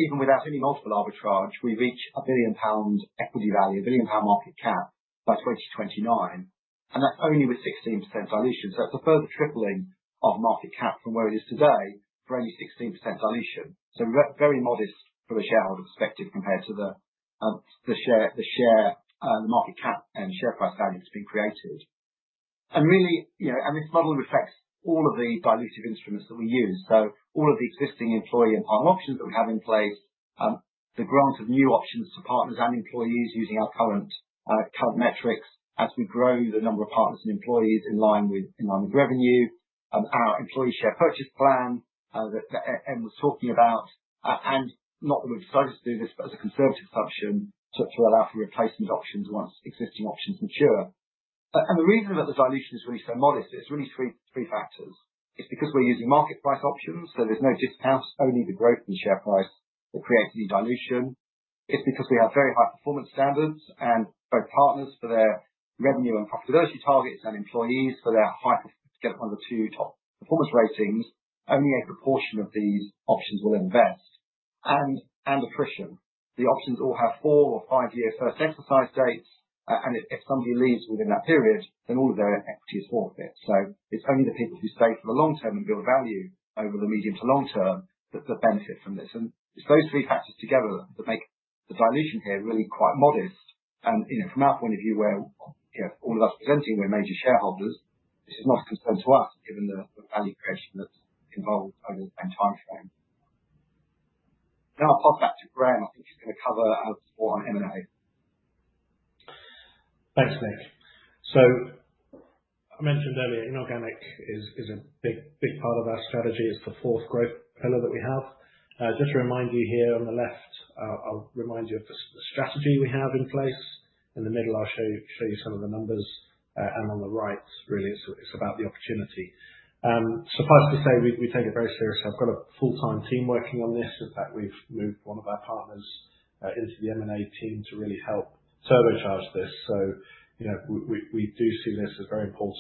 Even without any multiple arbitrage, we reach a 1 billion pound equity value, a 1 billion pound market cap by 2029. And that's only with 16% dilution. It's a further tripling of market cap from where it is today for only 16% dilution. It's very modest from a shareholder perspective compared to the share, the market cap and share price value that's been created. Really, this model reflects all of the dilutive instruments that we use. All of the existing employee and partner options that we have in place, the grant of new options to partners and employees using our current metrics as we grow the number of partners and employees in line with revenue, our employee share purchase plan that Em was talking about, and not that we've decided to do this, but as a conservative assumption to allow for replacement options once existing options mature. The reason that the dilution is really so modest is that it's really three factors. It's because we're using market price options, so there's no discounts, only the growth in the share price that creates any dilution. It's because we have very high performance standards, and both partners for their revenue and profitability targets and employees for their high performance get one of the two top performance ratings, only a proportion of these options will vest. And attrition. The options all have four- or five-year first exercise dates, and if somebody leaves within that period, then all of their equity is forfeit, so it's only the people who stay for the long term and build value over the medium- to long-term that benefit from this, and it's those three factors together that make the dilution here really quite modest. And from our point of view, where all of us presenting, we're major shareholders, this is not a concern to us given the value creation that's involved over the same timeframe. Now I'll pass back to Graham. I think he's going to cover a report on M&A. Thanks, Nick. So I mentioned earlier inorganic is a big part of our strategy. It's the fourth growth pillar that we have. Just to remind you here on the left, I'll remind you of the strategy we have in place. In the middle, I'll show you some of the numbers. And on the right, really, it's about the opportunity. Suffice to say, we take it very seriously. I've got a full-time team working on this. In fact, we've moved one of our partners into the M&A team to really help turbocharge this. So we do see this as very important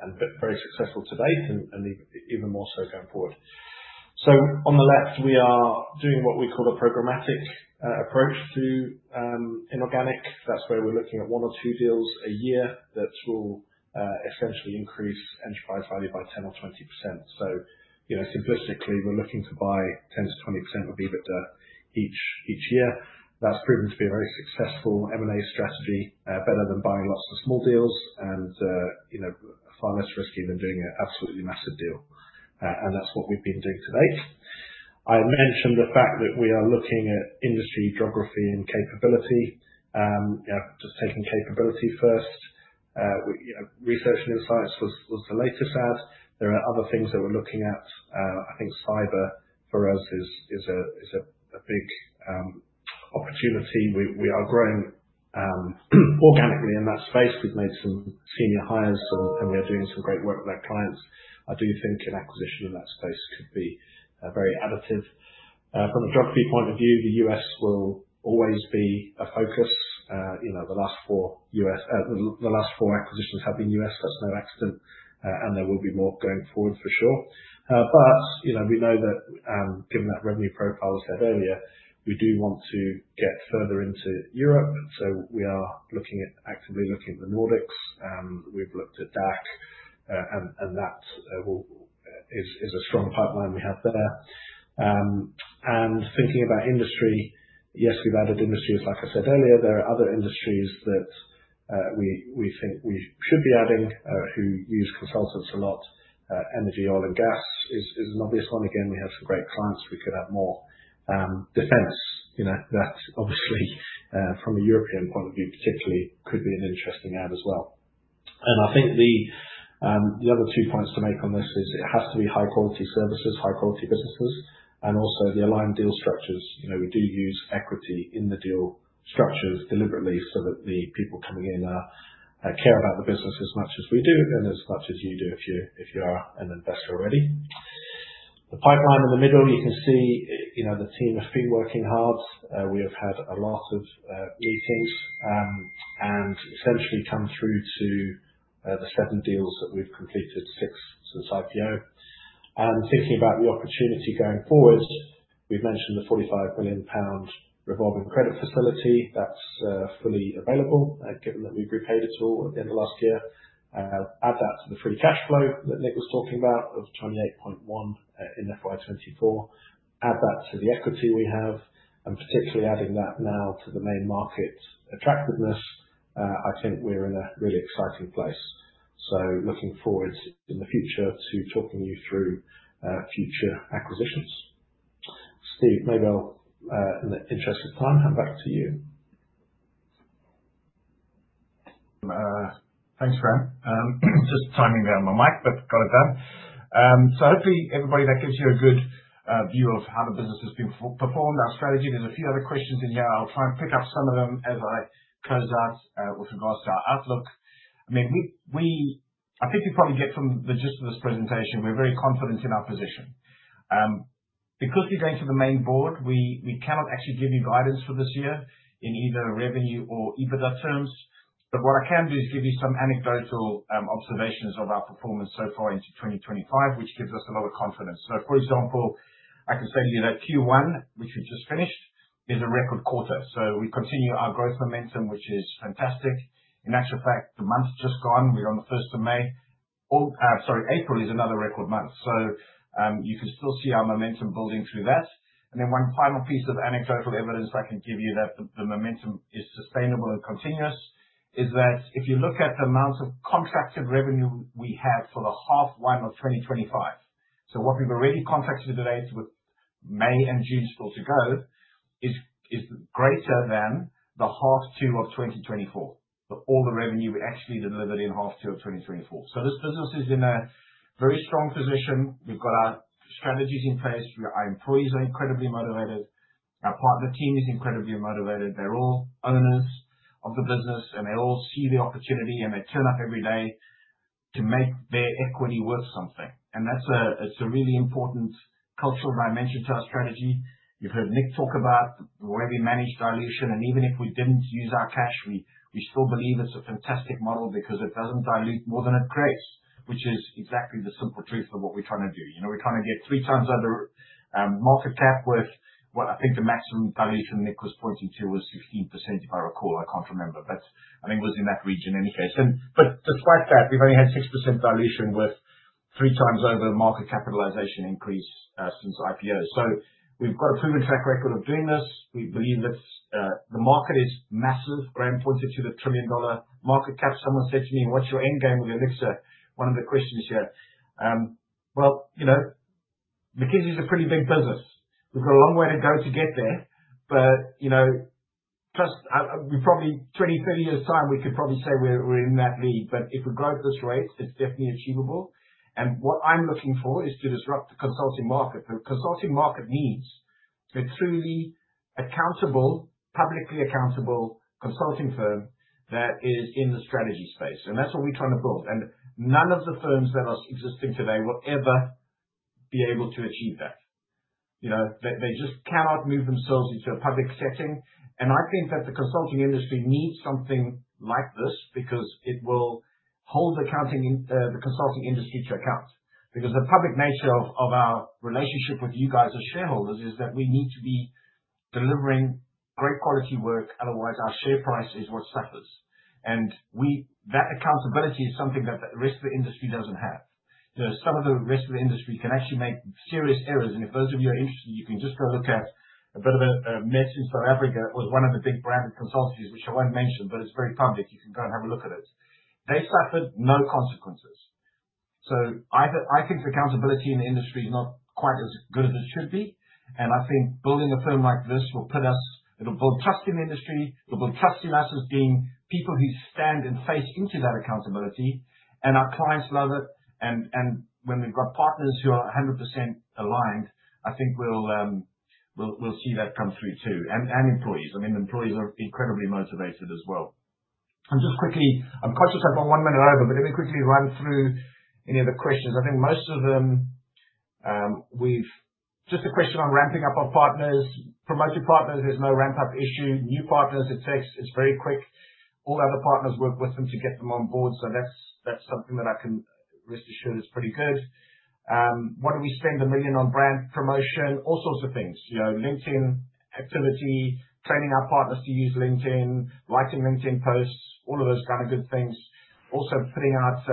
and very successful to date and even more so going forward. So on the left, we are doing what we call a programmatic approach to inorganic. That's where we're looking at one or two deals a year that will essentially increase enterprise value by 10% or 20%. So simplistically, we're looking to buy 10%-20% of EBITDA each year. That's proven to be a very successful M&A strategy, better than buying lots of small deals and far less risky than doing an absolutely massive deal. And that's what we've been doing to date. I mentioned the fact that we are looking at industry geography and capability. Just taking capability first, research and insights was the latest add. There are other things that we're looking at. I think cyber for us is a big opportunity. We are growing organically in that space. We've made some senior hires, and we are doing some great work with our clients. I do think an acquisition in that space could be very additive. From a geography point of view, the U.S. will always be a focus. The last four acquisitions have been U.S. That's no accident, and there will be more going forward for sure. But we know that, given that revenue profile I said earlier, we do want to get further into Europe. So we are actively looking at the Nordics. We've looked at DACH, and that is a strong pipeline we have there. And thinking about industry, yes, we've added industry, as I said earlier. There are other industries that we think we should be adding who use consultants a lot. Energy, oil, and gas is an obvious one. Again, we have some great clients. We could add more. Defense, that obviously from a European point of view, particularly, could be an interesting add as well. And I think the other two points to make on this is it has to be high-quality services, high-quality businesses, and also the aligned deal structures. We do use equity in the deal structures deliberately so that the people coming in care about the business as much as we do and as much as you do if you are an investor already. The pipeline in the middle, you can see the team have been working hard. We have had a lot of meetings and essentially come through to the seven deals that we've completed, six since IPO. And thinking about the opportunity going forward, we've mentioned the 45 million pound revolving credit facility. That's fully available, given that we've repaid it all at the end of last year. Add that to the free cash flow that Nick was talking about of 28.1 in FY24. Add that to the equity we have, and particularly adding that now to the Main Market attractiveness. I think we're in a really exciting place. Looking forward in the future to talking you through future acquisitions. Steve, maybe I'll, in the interest of time, hand back to you. Thanks, Graham. Just turning down my mic, but got it done. Hopefully, everybody, that gives you a good view of how the business has been performed, our strategy. There's a few other questions in here. I'll try and pick up some of them as I close out with regards to our outlook. I mean, I think you probably get the gist of this presentation. We're very confident in our position. Because we're going to the Main Market, we cannot actually give you guidance for this year in either revenue or EBITDA terms. But what I can do is give you some anecdotal observations of our performance so far into 2025, which gives us a lot of confidence. So, for example, I can say to you that Q1, which we've just finished, is a record quarter. So we continue our growth momentum, which is fantastic. In actual fact, the month just gone, we're on the 1st of May. Sorry, April is another record month. So you can still see our momentum building through that. And then one final piece of anecdotal evidence I can give you that the momentum is sustainable and continuous is that if you look at the amount of contracted revenue we have for the half one of 2025, so what we've already contracted today with May and June still to go is greater than the half two of 2024, all the revenue we actually delivered in half two of 2024. So this business is in a very strong position. We've got our strategies in place. Our employees are incredibly motivated. Our partner team is incredibly motivated. They're all owners of the business, and they all see the opportunity, and they turn up every day to make their equity worth something. And that's a really important cultural dimension to our strategy. You've heard Nick talk about the way we manage dilution. And even if we didn't use our cash, we still believe it's a fantastic model because it doesn't dilute more than it creates, which is exactly the simple truth of what we're trying to do. We're trying to get three times market cap worth. I think the maximum dilution Nick was pointing to was 16%, if I recall. I can't remember, but I think it was in that region in any case. But despite that, we've only had 6% dilution worth three times over market capitalization increase since IPO. So we've got a proven track record of doing this. We believe that the market is massive. Graham pointed to the $1 trillion-dollar market. Someone said to me, "What's your end game with Elixirr?" One of the questions here. Well, McKinsey is a pretty big business. We've got a long way to go to get there. We probably in 20-30 years' time, we could probably say we're in that lead. If we grow at this rate, it's definitely achievable. What I'm looking for is to disrupt the consulting market. The consulting market needs a truly accountable, publicly accountable consulting firm that is in the strategy space. That's what we're trying to build. None of the firms that are existing today will ever be able to achieve that. They just cannot move themselves into a public setting. I think that the consulting industry needs something like this because it will hold the consulting industry to account. The public nature of our relationship with you guys as shareholders is that we need to be delivering great quality work. Otherwise, our share price is what suffers. That accountability is something that the rest of the industry doesn't have. Some of the rest of the industry can actually make serious errors. If those of you are interested, you can just go look at a bit of a mess in South Africa. It was one of the big branded consultancies, which I won't mention, but it's very public. You can go and have a look at it. They suffered no consequences. I think the accountability in the industry is not quite as good as it should be. I think building a firm like this will put us, it'll build trust in the industry. It'll build trust in us as being people who stand and face into that accountability. Our clients love it. When we've got partners who are 100% aligned, I think we'll see that come through too. Employees. I mean, employees are incredibly motivated as well. Just quickly, I'm conscious I've gone one minute over, but let me quickly run through any other questions. I think most of them, we've just a question on ramping up our partners, promoting partners. There's no ramp-up issue. New partners, it's very quick. All other partners work with them to get them on board. So that's something that I can rest assured is pretty good. What do we spend 1 billion on brand promotion? All sorts of things. LinkedIn activity, training our partners to use LinkedIn, writing LinkedIn posts, all of those kind of good things. Also putting out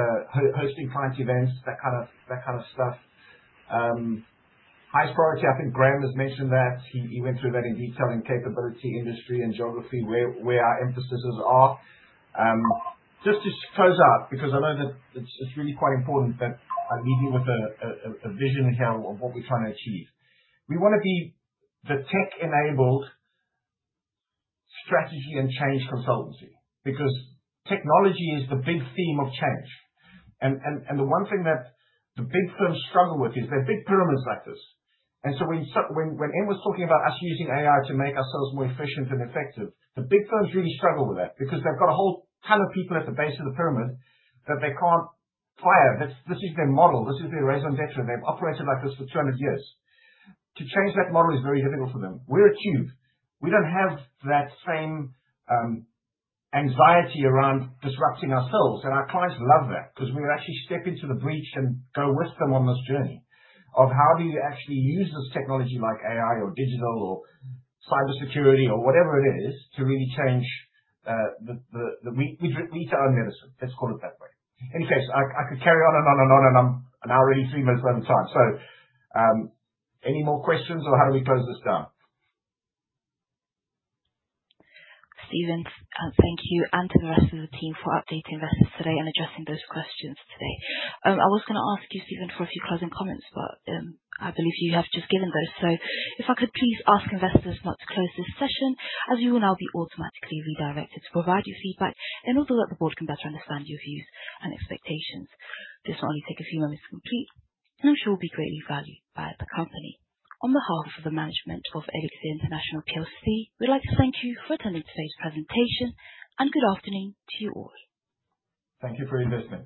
hosting client events, that kind of stuff. Highest priority, I think Graham has mentioned that. He went through that in detail in capability industry and geography, where our emphasis is. Just to close up, because I know that it's really quite important that I'm leaving with a vision of what we're trying to achieve. We want to be the tech-enabled strategy and change consultancy because technology is the big theme of change. And the one thing that the big firms struggle with is they're big pyramids like this. And so when Em was talking about us using AI to make ourselves more efficient and effective, the big firms really struggle with that because they've got a whole ton of people at the base of the pyramid that they can't fire. This is their model. This is their raison d'être. They've operated like this for 200 years. To change that model is very difficult for them. We're a cube. We don't have that same anxiety around disrupting ourselves. Our clients love that because we actually step into the breach and go with them on this journey of how do you actually use this technology like AI or digital or cybersecurity or whatever it is to really change the way we take our own medicine. Let's call it that way. Anyway, I could carry on and on and on, and I'm an hour 83 minutes over time. So any more questions or how do we close this down? Stephen, thank you. And to the rest of the team for updating investors today and addressing those questions today. I was going to ask you, Stephen, for a few closing comments, but I believe you have just given those. So if I could please ask investors not to close this session, as you will now be automatically redirected to provide your feedback in order that the board can better understand your views and expectations. This will only take a few moments to complete, and I'm sure will be greatly valued by the company. On behalf of the management of Elixirr International PLC, we'd like to thank you for attending today's presentation, and good afternoon to you all. Thank you for your investment.